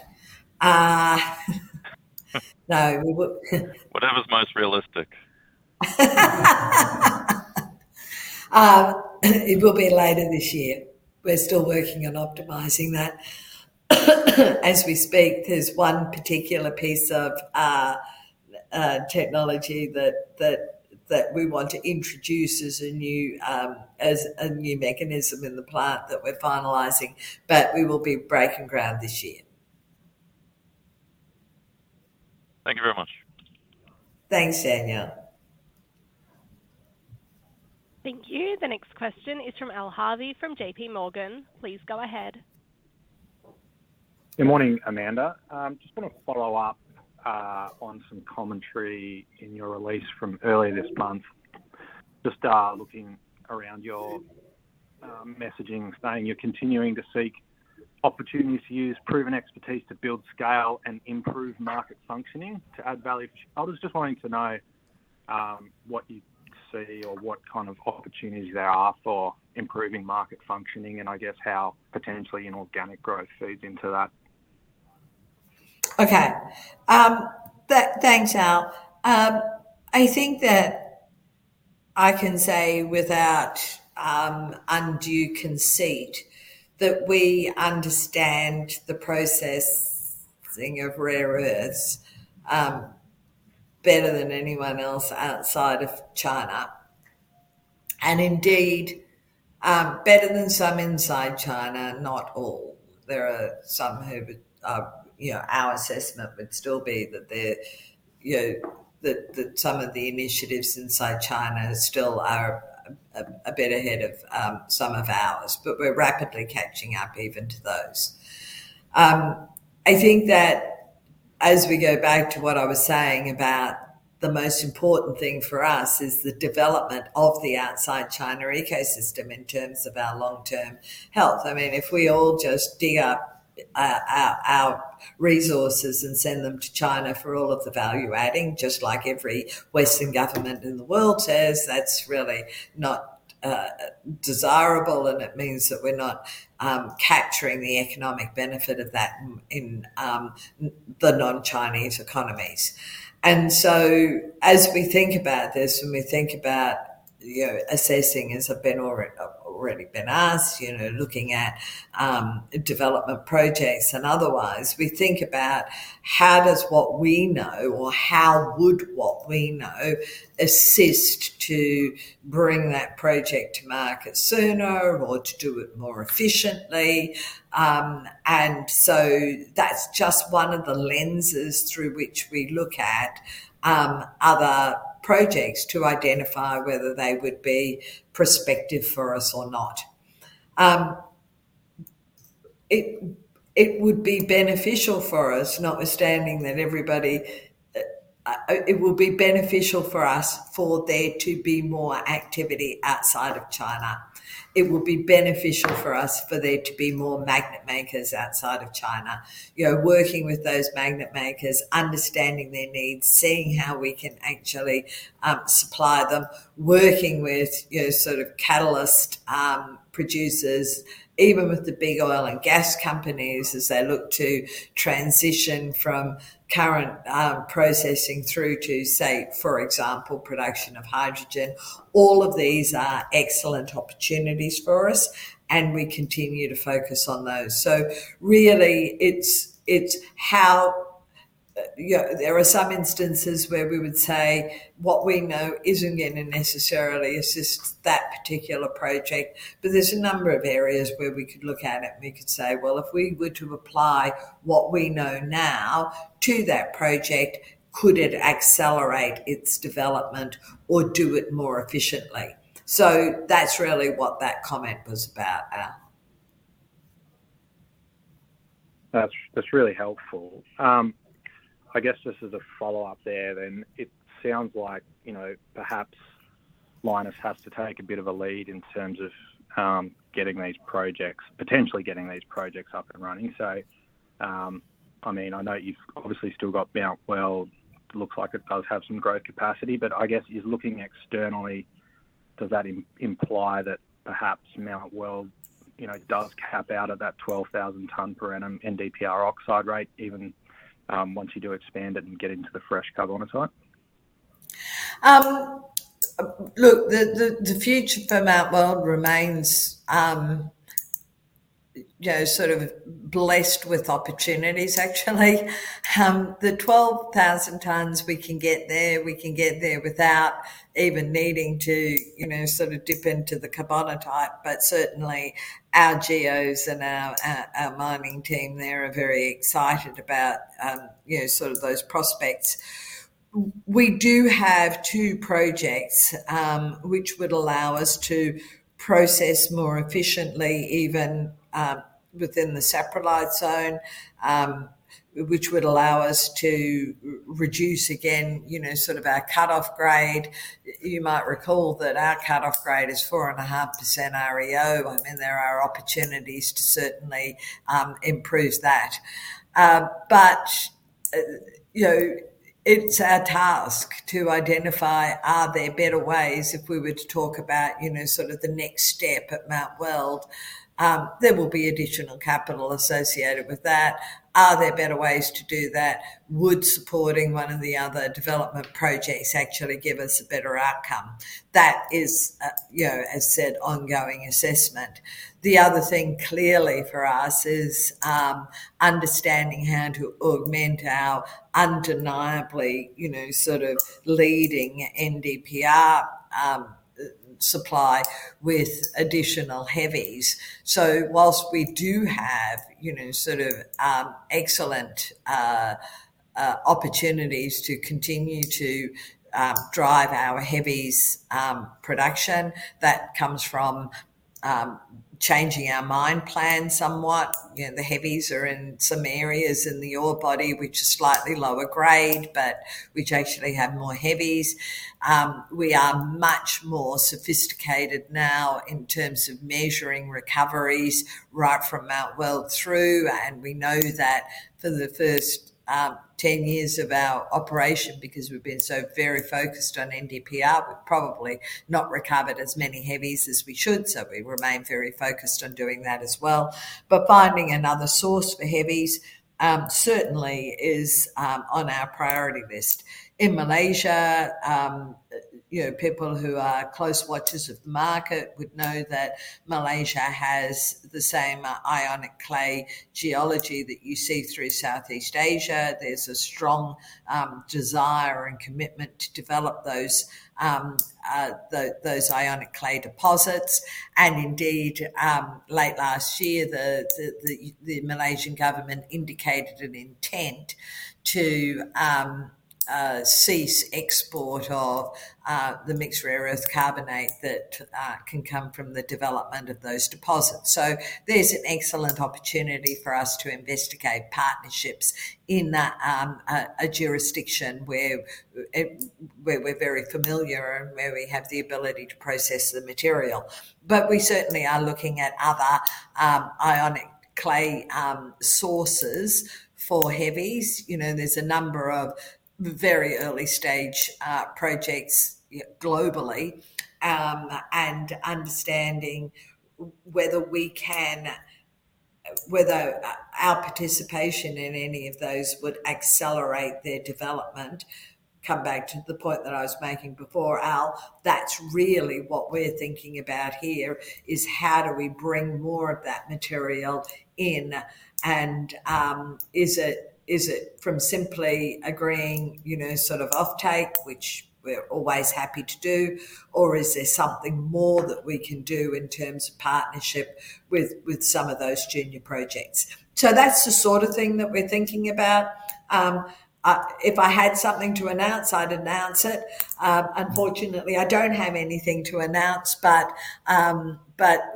No. Whatever's most realistic. It will be later this year. We're still working on optimizing that. As we speak, there's one particular piece of technology that we want to introduce as a new mechanism in the plant that we're finalizing. But we will be breaking ground this year. Thank you very much. Thanks, Daniel. Thank you. The next question is from Al Harvey from J.P. Morgan. Please go ahead. Good morning, Amanda. Just want to follow up on some commentary in your release from earlier this month, just looking around your messaging saying you're continuing to seek opportunities to use proven expertise to build scale and improve market functioning to add value for. I was just wanting to know what you see or what kind of opportunities there are for improving market functioning and, I guess, how potentially inorganic growth feeds into that. Okay. Thanks, Al. I think that I can say without undue conceit that we understand the processing of rare earths better than anyone else outside of China. And indeed, better than some inside China, not all. There are some who our assessment would still be that some of the initiatives inside China still are a bit ahead of some of ours. But we're rapidly catching up even to those. I think that as we go back to what I was saying about the most important thing for us is the development of the outside China ecosystem in terms of our long-term health. I mean, if we all just dig up our resources and send them to China for all of the value adding, just like every Western government in the world says, that's really not desirable. And it means that we're not capturing the economic benefit of that in the non-Chinese economies. And so as we think about this and we think about assessing, as I've already been asked, looking at development projects and otherwise, we think about how does what we know or how would what we know assist to bring that project to market sooner or to do it more efficiently? And so that's just one of the lenses through which we look at other projects to identify whether they would be prospective for us or not. It would be beneficial for us, notwithstanding that everybody it will be beneficial for us for there to be more activity outside of China. It will be beneficial for us for there to be more magnet-makers outside of China, working with those magnet-makers, understanding their needs, seeing how we can actually supply them, working with sort of catalyst producers, even with the big oil and gas companies as they look to transition from current processing through to, say, for example, production of hydrogen. All of these are excellent opportunities for us. And we continue to focus on those. So really, it's how there are some instances where we would say what we know isn't going to necessarily assist that particular project. But there's a number of areas where we could look at it. And we could say, "Well, if we were to apply what we know now to that project, could it accelerate its development or do it more efficiently?" So that's really what that comment was about, Al. That's really helpful. I guess just as a follow-up there then, it sounds like perhaps Lynas has to take a bit of a lead in terms of potentially getting these projects up and running. So I mean, I know you've obviously still got Mount Weld. It looks like it does have some growth capacity. But I guess, looking externally, does that imply that perhaps Mount Weld does cap out at that 12,000-tonne per annum NdPr oxide rate even once you do expand it and get into the fresh rock onsite? Look, the future for Mount Weld remains sort of blessed with opportunities, actually. The 12,000 tonnes we can get there, we can get there without even needing to sort of dip into the carbonatite. But certainly, our geos and our mining team there are very excited about sort of those prospects. We do have two projects which would allow us to process more efficiently even within the saprolite zone, which would allow us to reduce, again, sort of our cut-off grade. You might recall that our cut-off grade is 4.5% REO. I mean, there are opportunities to certainly improve that. But it's our task to identify, are there better ways if we were to talk about sort of the next step at Mount Weld, there will be additional capital associated with that. Are there better ways to do that? Would supporting one or the other development projects actually give us a better outcome? That is, as said, ongoing assessment. The other thing clearly for us is understanding how to augment our undeniably sort of leading NdPr supply with additional heavies. So while we do have sort of excellent opportunities to continue to drive our heavies production, that comes from changing our mine plan somewhat. The heavies are in some areas in the ore body which are slightly lower grade but which actually have more heavies. We are much more sophisticated now in terms of measuring recoveries right from Mount Weld through. We know that for the first 10 years of our operation because we've been so very focused on NdPr, we've probably not recovered as many heavies as we should. We remain very focused on doing that as well. But finding another source for heavies certainly is on our priority list. In Malaysia, people who are close watchers of the market would know that Malaysia has the same ionic clay geology that you see through Southeast Asia. There's a strong desire and commitment to develop those ionic clay deposits. And indeed, late last year, the Malaysian government indicated an intent to cease export of the mixed rare earth carbonate that can come from the development of those deposits. So there's an excellent opportunity for us to investigate partnerships in a jurisdiction where we're very familiar and where we have the ability to process the material. But we certainly are looking at other ionic clay sources for heavies. There's a number of very early-stage projects globally and understanding whether we can our participation in any of those would accelerate their development. Come back to the point that I was making before, Al. That's really what we're thinking about here: how do we bring more of that material in? And is it from simply agreeing sort of off-take, which we're always happy to do? Or is there something more that we can do in terms of partnership with some of those junior projects? So that's the sort of thing that we're thinking about. If I had something to announce, I'd announce it. Unfortunately, I don't have anything to announce. But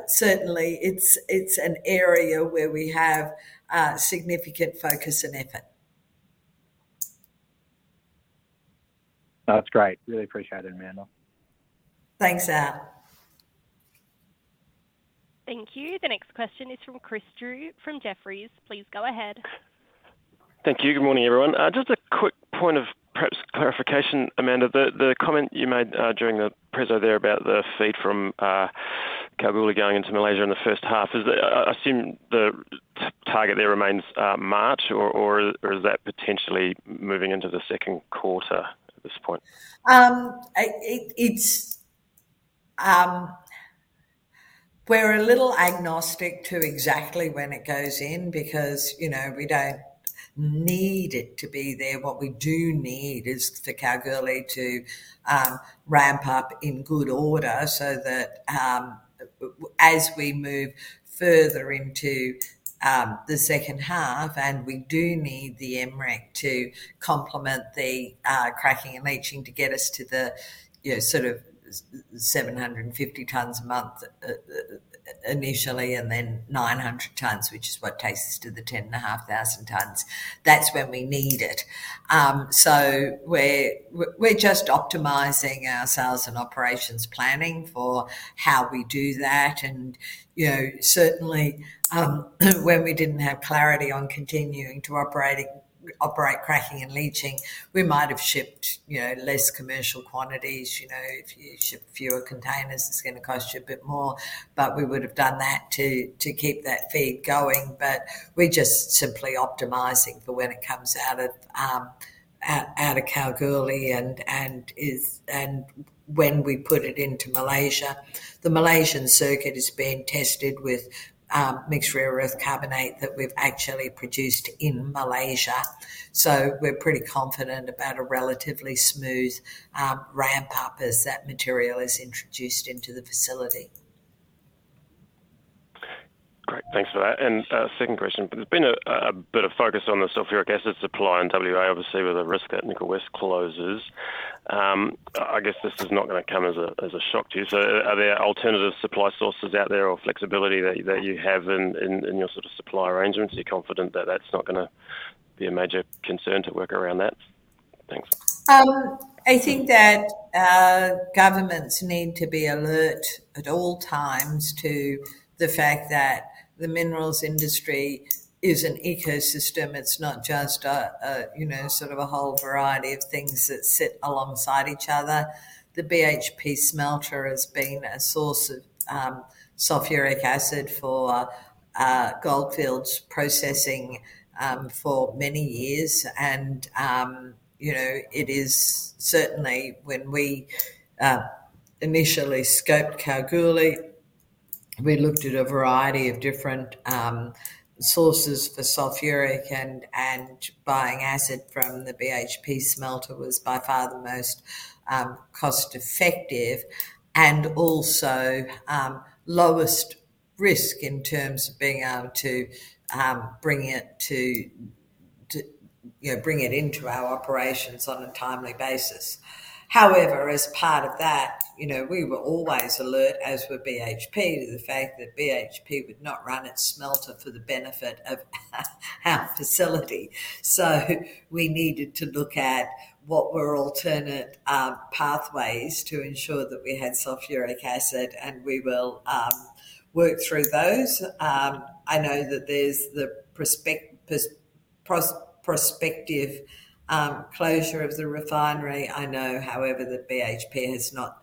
certainly, it's an area where we have significant focus and effort. That's great. Really appreciate it, Amanda. Thanks, Al. Thank you. The next question is from Chris Drew from Jefferies. Please go ahead. Thank you. Good morning, everyone. Just a quick point of perhaps clarification, Amanda. The comment you made during the preso there about the feed from Kalgoorlie going into Malaysia in the first half, I assume the target there remains March. Or is that potentially moving into the second quarter at this point? We're a little agnostic to exactly when it goes in because we don't need it to be there. What we do need is for Kalgoorlie to ramp up in good order so that as we move further into the second half and we do need the MREC to complement the cracking and leaching to get us to the sort of 750 tons a month initially and then 900 tons which is what takes us to the 10,500 tons, that's when we need it. So we're just optimizing our sales and operations planning for how we do that. And certainly, when we didn't have clarity on continuing to operate cracking and leaching, we might have shipped less commercial quantities. If you ship fewer containers, it's going to cost you a bit more. But we would have done that to keep that feed going. But we're just simply optimising for when it comes out of Kalgoorlie and when we put it into Malaysia. The Malaysian circuit has been tested with mixed rare earth carbonate that we've actually produced in Malaysia. So we're pretty confident about a relatively smooth ramp-up as that material is introduced into the facility. Great. Thanks for that. And second question. There's been a bit of focus on the sulfuric acid supply in WA, obviously, with the risk that Nickel West closes. I guess this is not going to come as a shock to you. So are there alternative supply sources out there or flexibility that you have in your sort of supply arrangements? Are you confident that that's not going to be a major concern to work around that? Thanks. I think that governments need to be alert at all times to the fact that the minerals industry is an ecosystem. It's not just sort of a whole variety of things that sit alongside each other. The BHP smelter has been a source of sulfuric acid for Goldfields processing for many years. And it is certainly, when we initially scoped Kalgoorlie, we looked at a variety of different sources for sulfuric. And buying acid from the BHP smelter was by far the most cost-effective and also lowest risk in terms of being able to bring it into our operations on a timely basis. However, as part of that, we were always alert as were BHP to the fact that BHP would not run its smelter for the benefit of our facility. So we needed to look at what were alternate pathways to ensure that we had sulfuric acid. And we will work through those. I know that there's the prospective closure of the refinery. I know, however, that BHP has not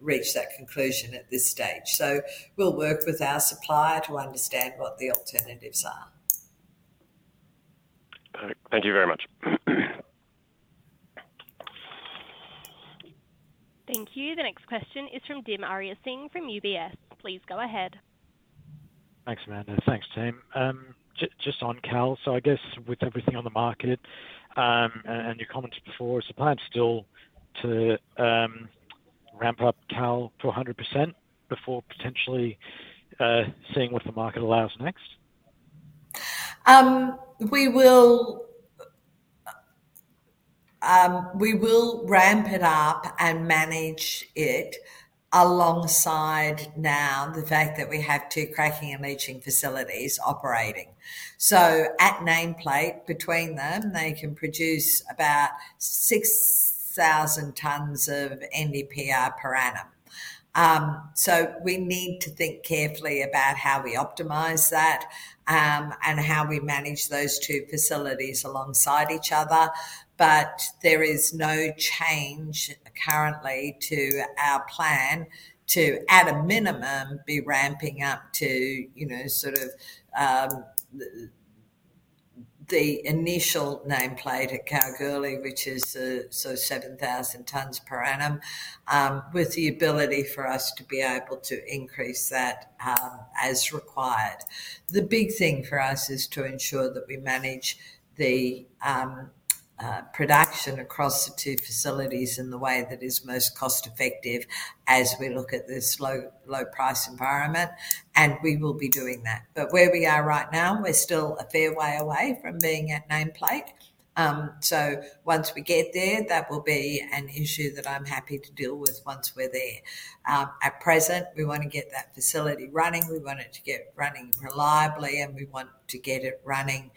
reached that conclusion at this stage. So we'll work with our supplier to understand what the alternatives are. Perfect. Thank you very much. Thank you. The next question is from Dim Ariyasinghe from UBS. Please go ahead. Thanks, Amanda. Thanks, Dim. Just on Kal. So I guess with everything on the market and your comment before, is the plan still to ramp up Kal to 100% before potentially seeing what the market allows next? We will ramp it up and manage it alongside now the fact that we have two cracking and leaching facilities operating. So at nameplate between them, they can produce about 6,000 tons of NdPr per annum. So we need to think carefully about how we optimize that and how we manage those two facilities alongside each other. But there is no change currently to our plan to, at a minimum, be ramping up to sort of the initial nameplate at Kalgoorlie which is so 7,000 tons per annum with the ability for us to be able to increase that as required. The big thing for us is to ensure that we manage the production across the two facilities in the way that is most cost-effective as we look at this low-price environment. And we will be doing that. But where we are right now, we're still a fair way away from being at nameplate. So once we get there, that will be an issue that I'm happy to deal with once we're there. At present, we want to get that facility running. We want it to get running reliably. And we want to get it running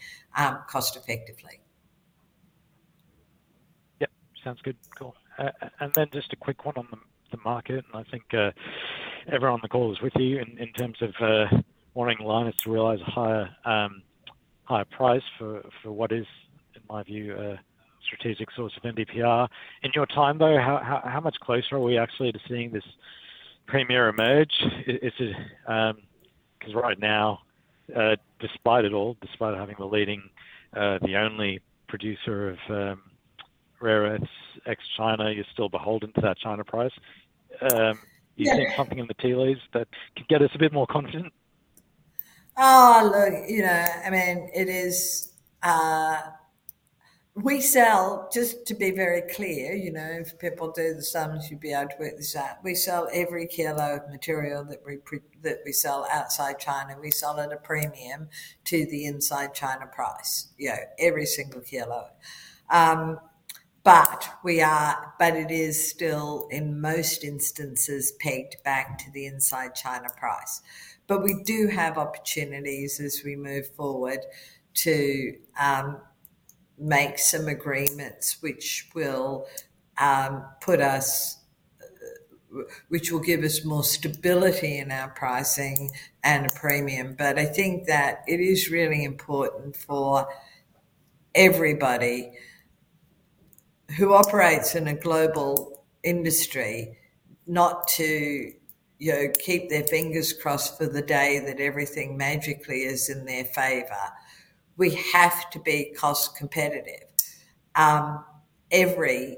cost-effectively. Yep. Sounds good. Cool. And then just a quick one on the market. And I think everyone on the call is with you in terms of wanting Lynas to realize a higher price for what is, in my view, a strategic source of NdPr. In your time, though, how much closer are we actually to seeing this premium emerge? Because right now, despite it all, despite having the only producer of rare earths ex-China, you're still beholden to that China price. Do you think something in the tea leaves that could get us a bit more confident? Oh, look. I mean, it is we sell just to be very clear, if people do the sums, you'd be able to work this out, we sell every kilo of material that we sell outside China. We sell at a premium to the inside China price, every single kilo. But it is still, in most instances, pegged back to the inside China price. But we do have opportunities as we move forward to make some agreements which will put us which will give us more stability in our pricing and a premium. But I think that it is really important for everybody who operates in a global industry not to keep their fingers crossed for the day that everything magically is in their favor. We have to be cost-competitive. Every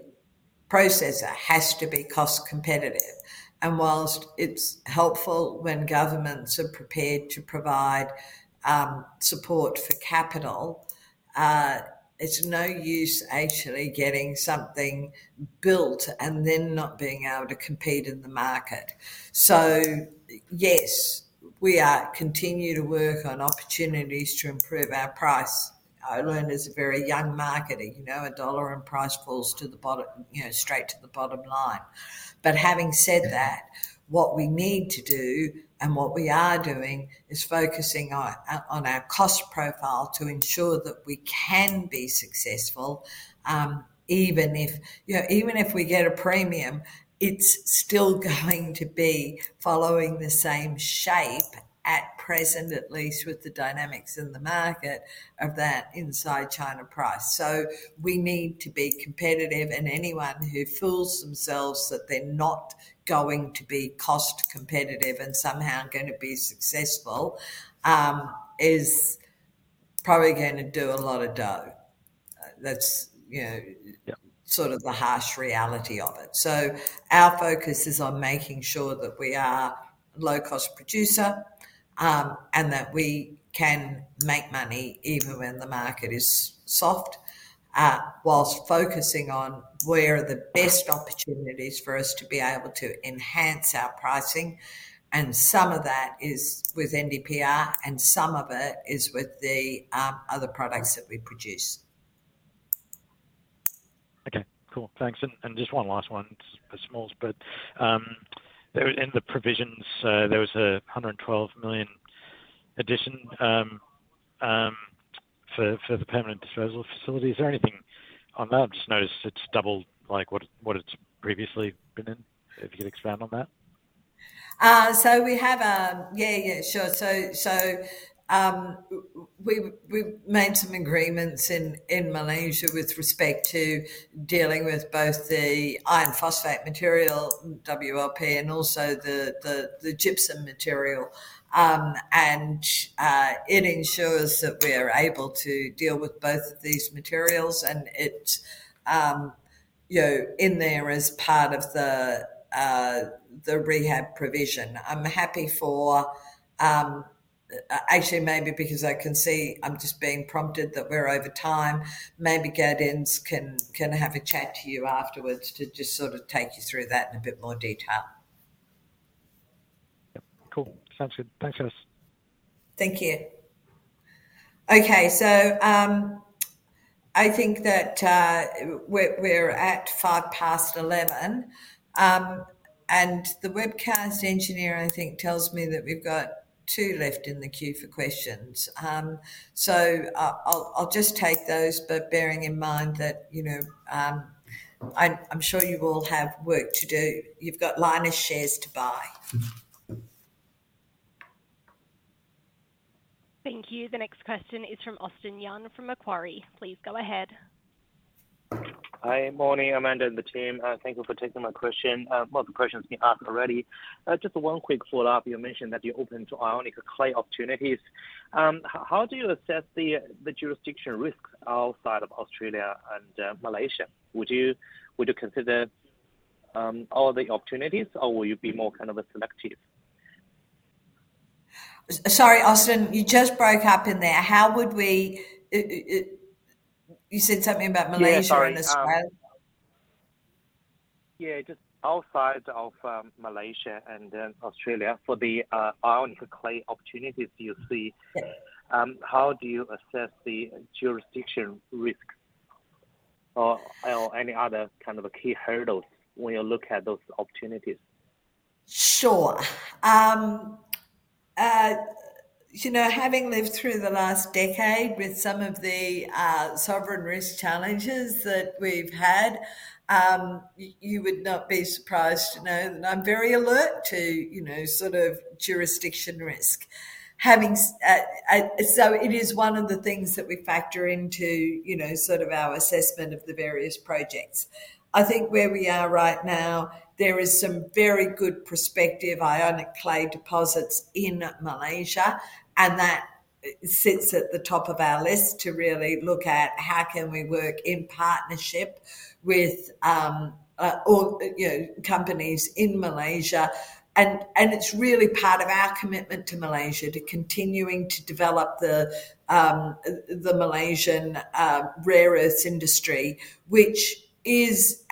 processor has to be cost-competitive. While it's helpful when governments are prepared to provide support for capital, it's no use actually getting something built and then not being able to compete in the market. So yes, we continue to work on opportunities to improve our price. I learned as a very young marketer, a dollar in price falls straight to the bottom line. But having said that, what we need to do and what we are doing is focusing on our cost profile to ensure that we can be successful even if we get a premium, it's still going to be following the same shape at present, at least with the dynamics in the market of that inside China price. So we need to be competitive. And anyone who fools themselves that they're not going to be cost-competitive and somehow going to be successful is probably going to do a lot of dough. That's sort of the harsh reality of it. So our focus is on making sure that we are a low-cost producer and that we can make money even when the market is soft while focusing on where are the best opportunities for us to be able to enhance our pricing. And some of that is with NdPr. And some of it is with the other products that we produce. Okay. Cool. Thanks. And just one last one. It's a small bit. In the provisions, there was an 112 million addition for the permanent disposal facility. Is there anything on that? I've just noticed it's doubled what it's previously been in. If you could expand on that. So we have a yeah, yeah. Sure. So we've made some agreements in Malaysia with respect to dealing with both the iron phosphate material, WLP, and also the gypsum material. And it ensures that we are able to deal with both of these materials. And it's in there as part of the rehab provision. I'm happy for actually, maybe because I can see I'm just being prompted that we're over time, maybe Gaudenz can have a chat to you afterwards to just sort of take you through that in a bit more detail. Yep. Cool. Sounds good. Thanks, Alice. Thank you. Okay. So I think that we're at 11:05. And the webcast engineer, I think, tells me that we've got two left in the queue for questions. So I'll just take those but bearing in mind that I'm sure you all have work to do. You've got Lynas' shares to buy. Thank you. The next question is from Austin Yun from Macquarie. Please go ahead. Hi. Morning, Amanda and the team. Thank you for taking my question. Well, the question's been asked already. Just one quick follow-up. You mentioned that you're open to ionic clay opportunities. How do you assess the jurisdiction risks outside of Australia and Malaysia? Would you consider all the opportunities? Or will you be more kind of a selective? Sorry, Austin. You just broke up in there. How would we you said something about Malaysia and Australia. Yeah. Just outside of Malaysia and then Australia, for the ionic clay opportunities you see, how do you assess the jurisdiction risks or any other kind of key hurdles when you look at those opportunities? Sure. Having lived through the last decade with some of the sovereign risk challenges that we've had, you would not be surprised to know that I'm very alert to sort of jurisdiction risk. So it is one of the things that we factor into sort of our assessment of the various projects. I think where we are right now, there is some very good prospective ionic clay deposits in Malaysia. And that sits at the top of our list to really look at how can we work in partnership with all companies in Malaysia. And it's really part of our commitment to Malaysia to continuing to develop the Malaysian rare earths industry which is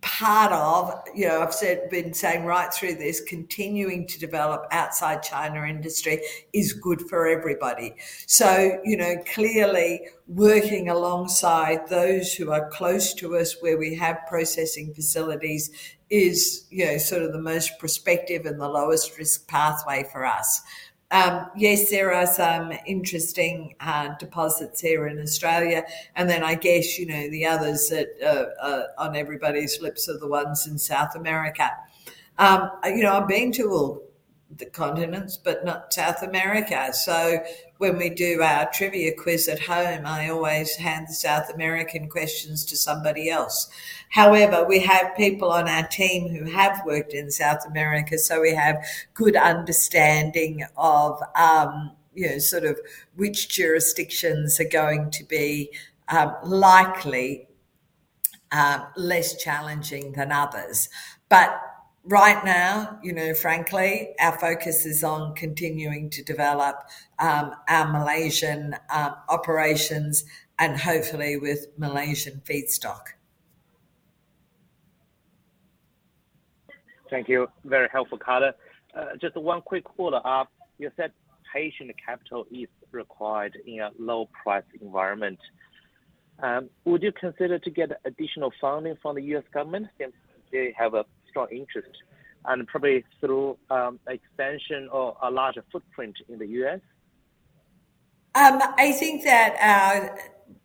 part of I've been saying right through this, continuing to develop outside China industry is good for everybody. So clearly, working alongside those who are close to us where we have processing facilities is sort of the most prospective and the lowest risk pathway for us. Yes, there are some interesting deposits here in Australia. And then I guess the others that on everybody's lips are the ones in South America. I've been to all the continents but not South America. So when we do our trivia quiz at home, I always hand the South American questions to somebody else. However, we have people on our team who have worked in South America. So we have good understanding of sort of which jurisdictions are going to be likely less challenging than others. But right now, frankly, our focus is on continuing to develop our Malaysian operations and hopefully with Malaysian feedstock. Thank you. Very helpful, color. Just one quick follow-up. You said patient capital is required in a low-price environment. Would you consider to get additional funding from the U.S. government since they have a strong interest and probably through extension or a larger footprint in the U.S.? I think that our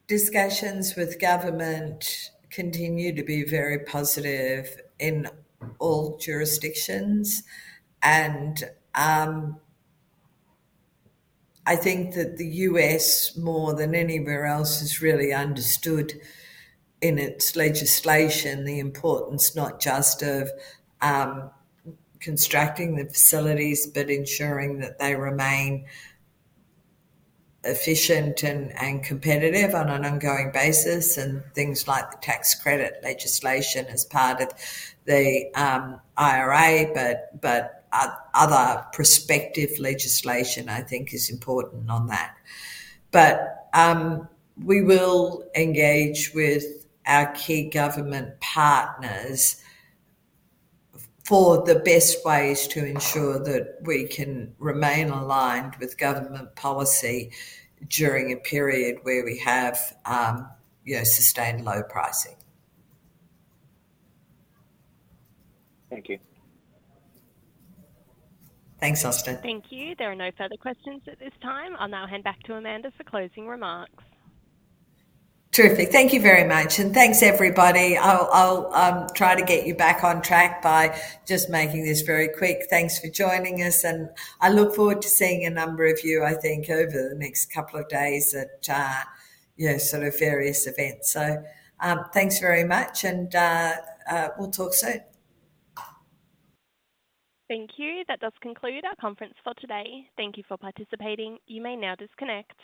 discussions with government continue to be very positive in all jurisdictions. And I think that the U.S., more than anywhere else, has really understood in its legislation the importance not just of constructing the facilities but ensuring that they remain efficient and competitive on an ongoing basis and things like the tax credit legislation as part of the IRA. But other prospective legislation, I think, is important on that. But we will engage with our key government partners for the best ways to ensure that we can remain aligned with government policy during a period where we have sustained low pricing. Thank you. Thanks, Austin. Thank you. There are no further questions at this time. I'll now hand back to Amanda for closing remarks. Terrific. Thank you very much. And thanks, everybody. I'll try to get you back on track by just making this very quick. Thanks for joining us. And I look forward to seeing a number of you, I think, over the next couple of days at sort of various events. So thanks very much. And we'll talk soon. Thank you. That does conclude our conference for today. Thank you for participating. You may now disconnect.